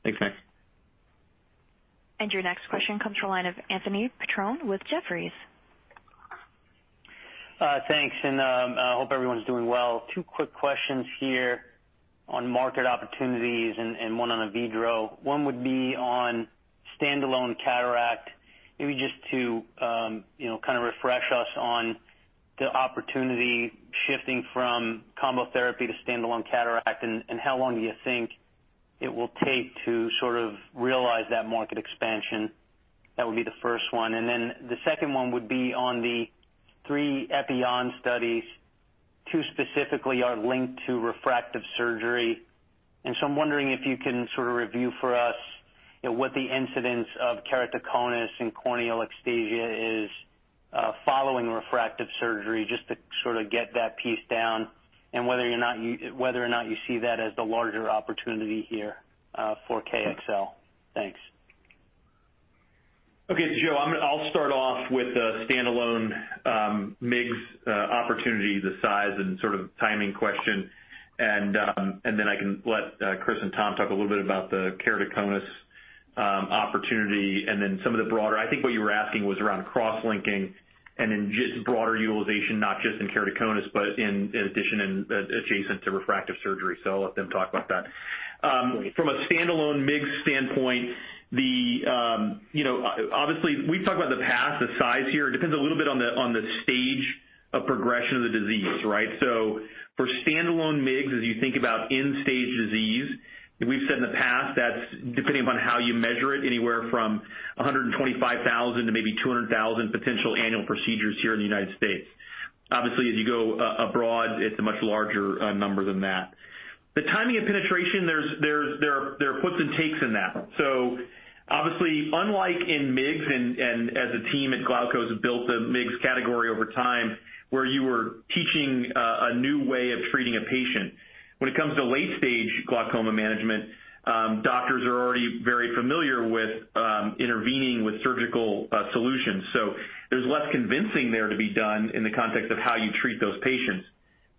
Thanks, Matt. Your next question comes from the line of Anthony Petrone with Jefferies. Thanks. I hope everyone's doing well. Two quick questions here on market opportunities and one on the Avedro. One would be on standalone cataract, maybe just to kind of refresh us on the opportunity shifting from combo therapy to standalone cataract, and how long do you think it will take to sort of realize that market expansion? That would be the first one. The second one would be on the three epi-on studies. Two specifically are linked to refractive surgery, and so I'm wondering if you can sort of review for us what the incidence of keratoconus and corneal ectasia is following refractive surgery, just to sort of get that piece down, and whether or not you see that as the larger opportunity here for KXL. Thanks. Okay. Joe, I'll start off with the standalone MIGS opportunity, the size and sort of timing question. I can let Chris and Tom talk a little bit about the keratoconus opportunity and then some of the broader. I think what you were asking was around cross-linking and in just broader utilization, not just in keratoconus, but in addition and adjacent to refractive surgery. I'll let them talk about that. Great. From a standalone MIGS standpoint, obviously, we've talked about the past, the size here. It depends a little bit on the stage of progression of the disease, right? For standalone MIGS, as you think about end-stage disease, we've said in the past that's depending upon how you measure it, anywhere from 125,000 to maybe 200,000 potential annual procedures here in the U.S. Obviously, as you go abroad, it's a much larger number than that. The timing of penetration, there are puts and takes in that. Obviously, unlike in MIGS, and as a team at Glaukos have built the MIGS category over time, where you were teaching a new way of treating a patient. When it comes to late-stage glaucoma management, doctors are already very familiar with intervening with surgical solutions. There's less convincing there to be done in the context of how you treat those patients.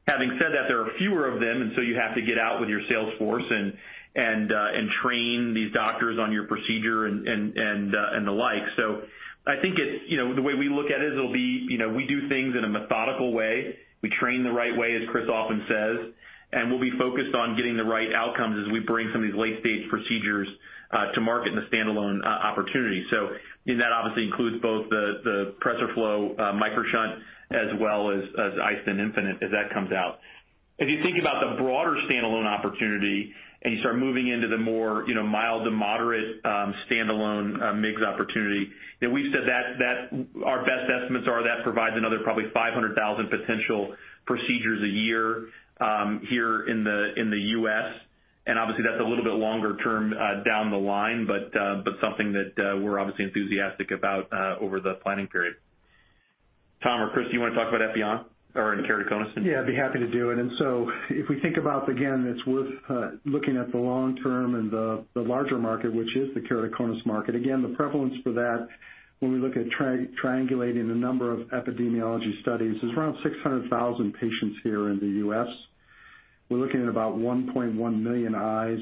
Having said that, there are fewer of them, you have to get out with your sales force and train these doctors on your procedure and the like. I think the way we look at it is we do things in a methodical way. We train the right way, as Chris often says. We'll be focused on getting the right outcomes as we bring some of these late-stage procedures to market in the standalone opportunity. That obviously includes both the PRESERFLO MicroShunt as well as iStent infinite as that comes out. If you think about the broader standalone opportunity and you start moving into the more mild to moderate standalone MIGS opportunity, we've said that our best estimates are that provides another probably 500,000 potential procedures a year here in the U.S. Obviously, that's a little bit longer term down the line, but something that we're obviously enthusiastic about over the planning period. Tom or Chris, do you want to talk about epi-on or in keratoconus? Yeah, I'd be happy to do it. If we think about, again, it's worth looking at the long term and the larger market, which is the keratoconus market. Again, the prevalence for that, when we look at triangulating a number of epidemiology studies, is around 600,000 patients here in the U.S. We're looking at about 1.1 million eyes,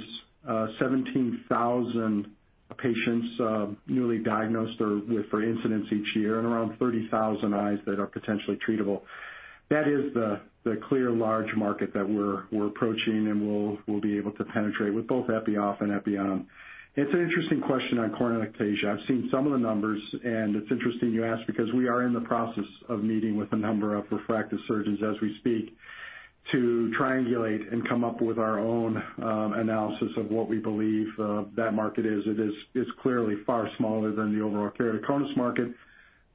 17,000 patients newly diagnosed or with for incidence each year and around 30,000 eyes that are potentially treatable. That is the clear large market that we're approaching and we'll be able to penetrate with both epi-off and epi-on. It's an interesting question on corneal ectasia. I've seen some of the numbers, and it's interesting you ask because we are in the process of meeting with a number of refractive surgeons as we speak to triangulate and come up with our own analysis of what we believe that market is. It is clearly far smaller than the overall keratoconus market,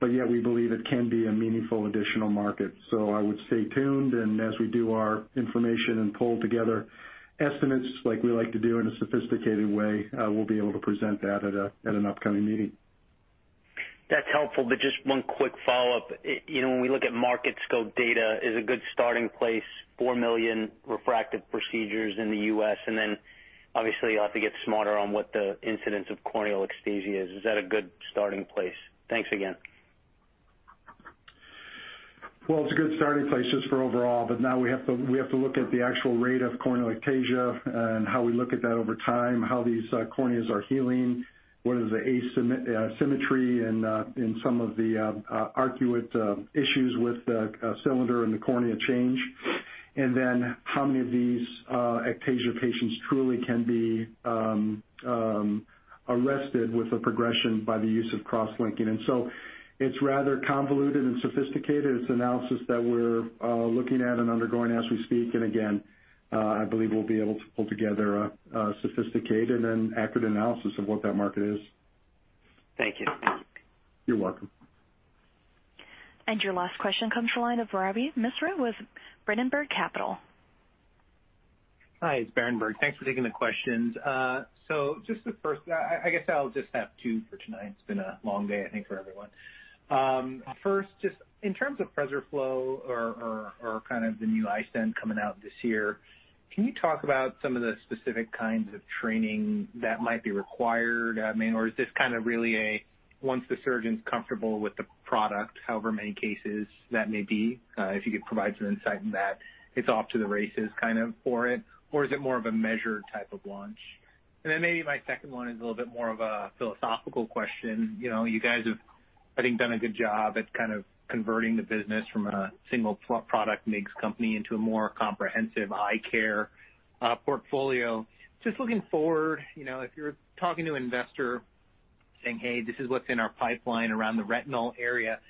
yet we believe it can be a meaningful additional market. I would stay tuned, and as we do our information and pull together estimates like we like to do in a sophisticated way, we'll be able to present that at an upcoming meeting. That's helpful. Just one quick follow-up. When we look at Market Scope data is a good starting place, 4 million refractive procedures in the U.S., and then obviously you'll have to get smarter on what the incidence of corneal ectasia is. Is that a good starting place? Thanks again. Well, it's a good starting place just for overall, but now we have to look at the actual rate of corneal ectasia and how we look at that over time, how these corneas are healing, what is the asymmetry and some of the arcuate issues with the cylinder and the cornea change. How many of these ectasia patients truly can be arrested with a progression by the use of cross-linking. It's rather convoluted and sophisticated. It's analysis that we're looking at and undergoing as we speak. I believe we'll be able to pull together a sophisticated and accurate analysis of what that market is. Thank you. You're welcome. Your last question comes from the line of Ravi Misra with Berenberg Capital. Hi, it's Berenberg. Thanks for taking the questions. Just the first, I guess I'll just have two for tonight. It's been a long day, I think, for everyone. First, just in terms of PRESERFLO or kind of the new iStent coming out this year, can you talk about some of the specific kinds of training that might be required? I mean, or is this kind of really a once the surgeon's comfortable with the product, however many cases that may be? If you could provide some insight on that, it's off to the races kind of for it. Is it more of a measured type of launch? Maybe my second one is a little bit more of a philosophical question. You guys have, I think, done a good job at kind of converting the business from a single product MIGS company into a more comprehensive eye care portfolio. Just looking forward, if you're talking to an investor saying, "Hey, this is what's in our pipeline around the retinal area,"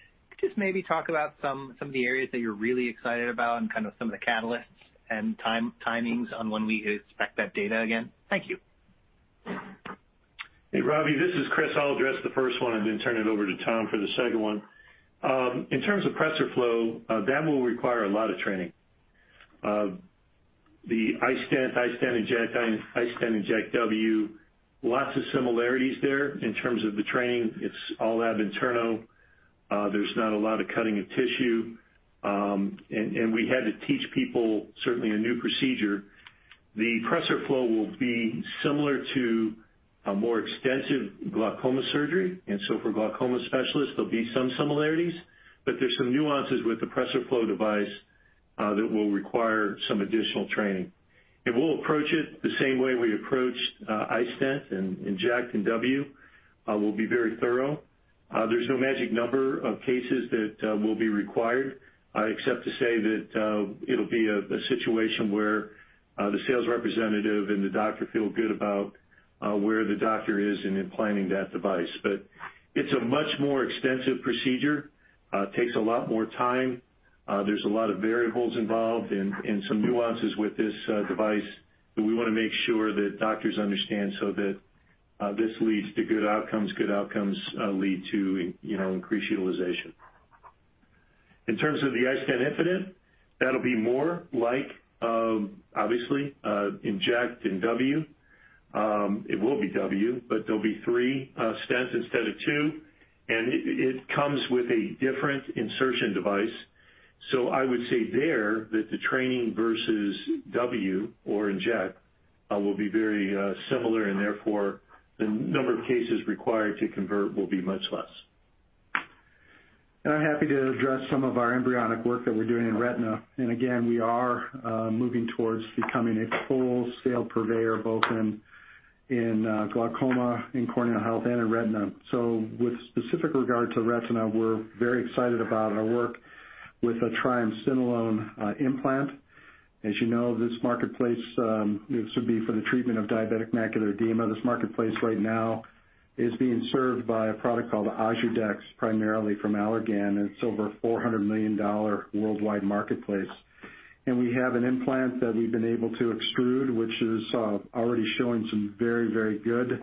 just maybe talk about some of the areas that you're really excited about and kind of some of the catalysts and timings on when we could expect that data again? Thank you. Hey, Ravi, this is Chris. I'll address the first one, then turn it over to Tom for the second one. In terms of PRESERFLO, that will require a lot of training. The iStent inject, iStent inject W, lots of similarities there in terms of the training. It's all ab interno. There's not a lot of cutting of tissue. We had to teach people certainly a new procedure. The PRESERFLO will be similar to a more extensive glaucoma surgery. For glaucoma specialists, there'll be some similarities. There's some nuances with the PRESERFLO device that will require some additional training. We'll approach it the same way we approached iStent and inject and W. We'll be very thorough. There's no magic number of cases that will be required except to say that it'll be a situation where the sales representative and the doctor feel good about where the doctor is in implanting that device. It's a much more extensive procedure. It takes a lot more time. There's a lot of variables involved and some nuances with this device that we want to make sure that doctors understand so that this leads to good outcomes. Good outcomes lead to increased utilization. In terms of the iStent infinite, that'll be more like, obviously, Inject and W. It will be W, there'll be three stents instead of two, and it comes with a different insertion device. I would say there that the training versus W or Inject will be very similar and therefore the number of cases required to convert will be much less. I'm happy to address some of our embryonic work that we're doing in retina. Again, we are moving towards becoming a full-scale purveyor both in. In glaucoma, in corneal health, and in retina. With specific regard to retina, we're very excited about our work with a triamcinolone implant. As you know, this marketplace, this would be for the treatment of diabetic macular edema. This marketplace right now is being served by a product called OZURDEX, primarily from Allergan. It's over a $400 million worldwide marketplace. We have an implant that we've been able to extrude, which is already showing some very good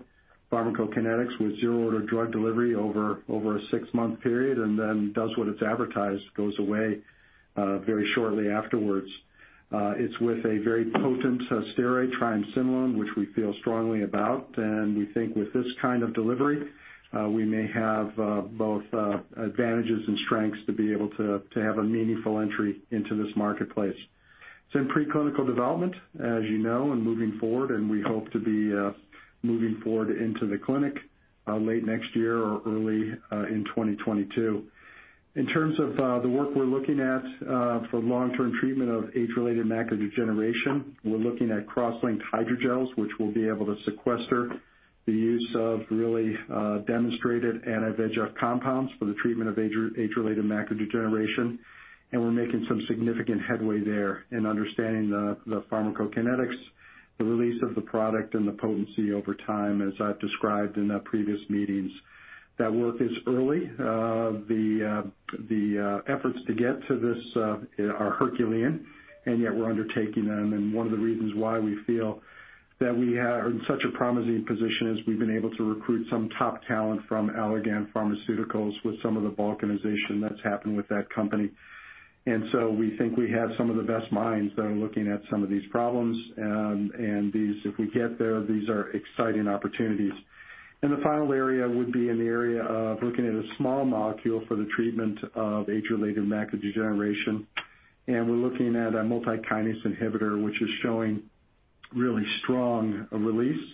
pharmacokinetics with zero order drug delivery over a six-month period, and then does what it's advertised, goes away very shortly afterwards. It's with a very potent steroid, triamcinolone, which we feel strongly about. We think with this kind of delivery, we may have both advantages and strengths to be able to have a meaningful entry into this marketplace. It's in preclinical development, as you know, and moving forward. We hope to be moving forward into the clinic late next year or early in 2022. In terms of the work we're looking at for long-term treatment of age-related macular degeneration, we're looking at cross-linked hydrogels, which will be able to sequester the use of really demonstrated anti-VEGF compounds for the treatment of age-related macular degeneration. We're making some significant headway there in understanding the pharmacokinetics, the release of the product, and the potency over time, as I've described in previous meetings. That work is early. The efforts to get to this are Herculean, and yet we're undertaking them. One of the reasons why we feel that we are in such a promising position is we've been able to recruit some top talent from Allergan Pharmaceuticals with some of the balkanization that's happened with that company. So we think we have some of the best minds that are looking at some of these problems. These, if we get there, these are exciting opportunities. The final area would be in the area of looking at a small molecule for the treatment of age-related macular degeneration. We're looking at a multi-kinase inhibitor, which is showing really strong release,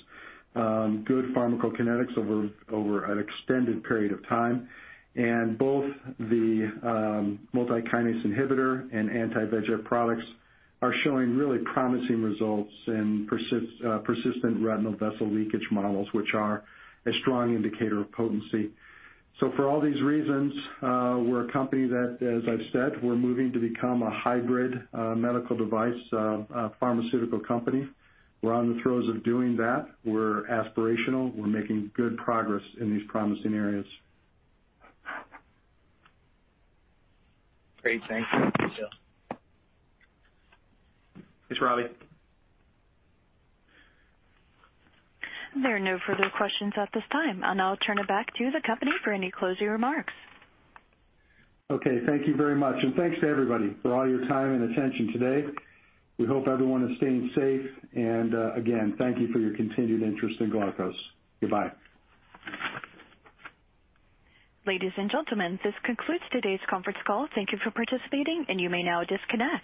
good pharmacokinetics over an extended period of time. Both the multi-kinase inhibitor and anti-VEGF products are showing really promising results in persistent retinal vessel leakage models, which are a strong indicator of potency. For all these reasons, we're a company that, as I've said, we're moving to become a hybrid medical device, pharmaceutical company. We're on the throes of doing that. We're aspirational. We're making good progress in these promising areas. Great. Thank you. Thank you. Thanks, Ravi. There are no further questions at this time. I'll now turn it back to the company for any closing remarks. Okay. Thank you very much, and thanks to everybody for all your time and attention today. We hope everyone is staying safe. Again, thank you for your continued interest in Glaukos. Goodbye. Ladies and gentlemen, this concludes today's conference call. Thank you for participating, and you may now disconnect.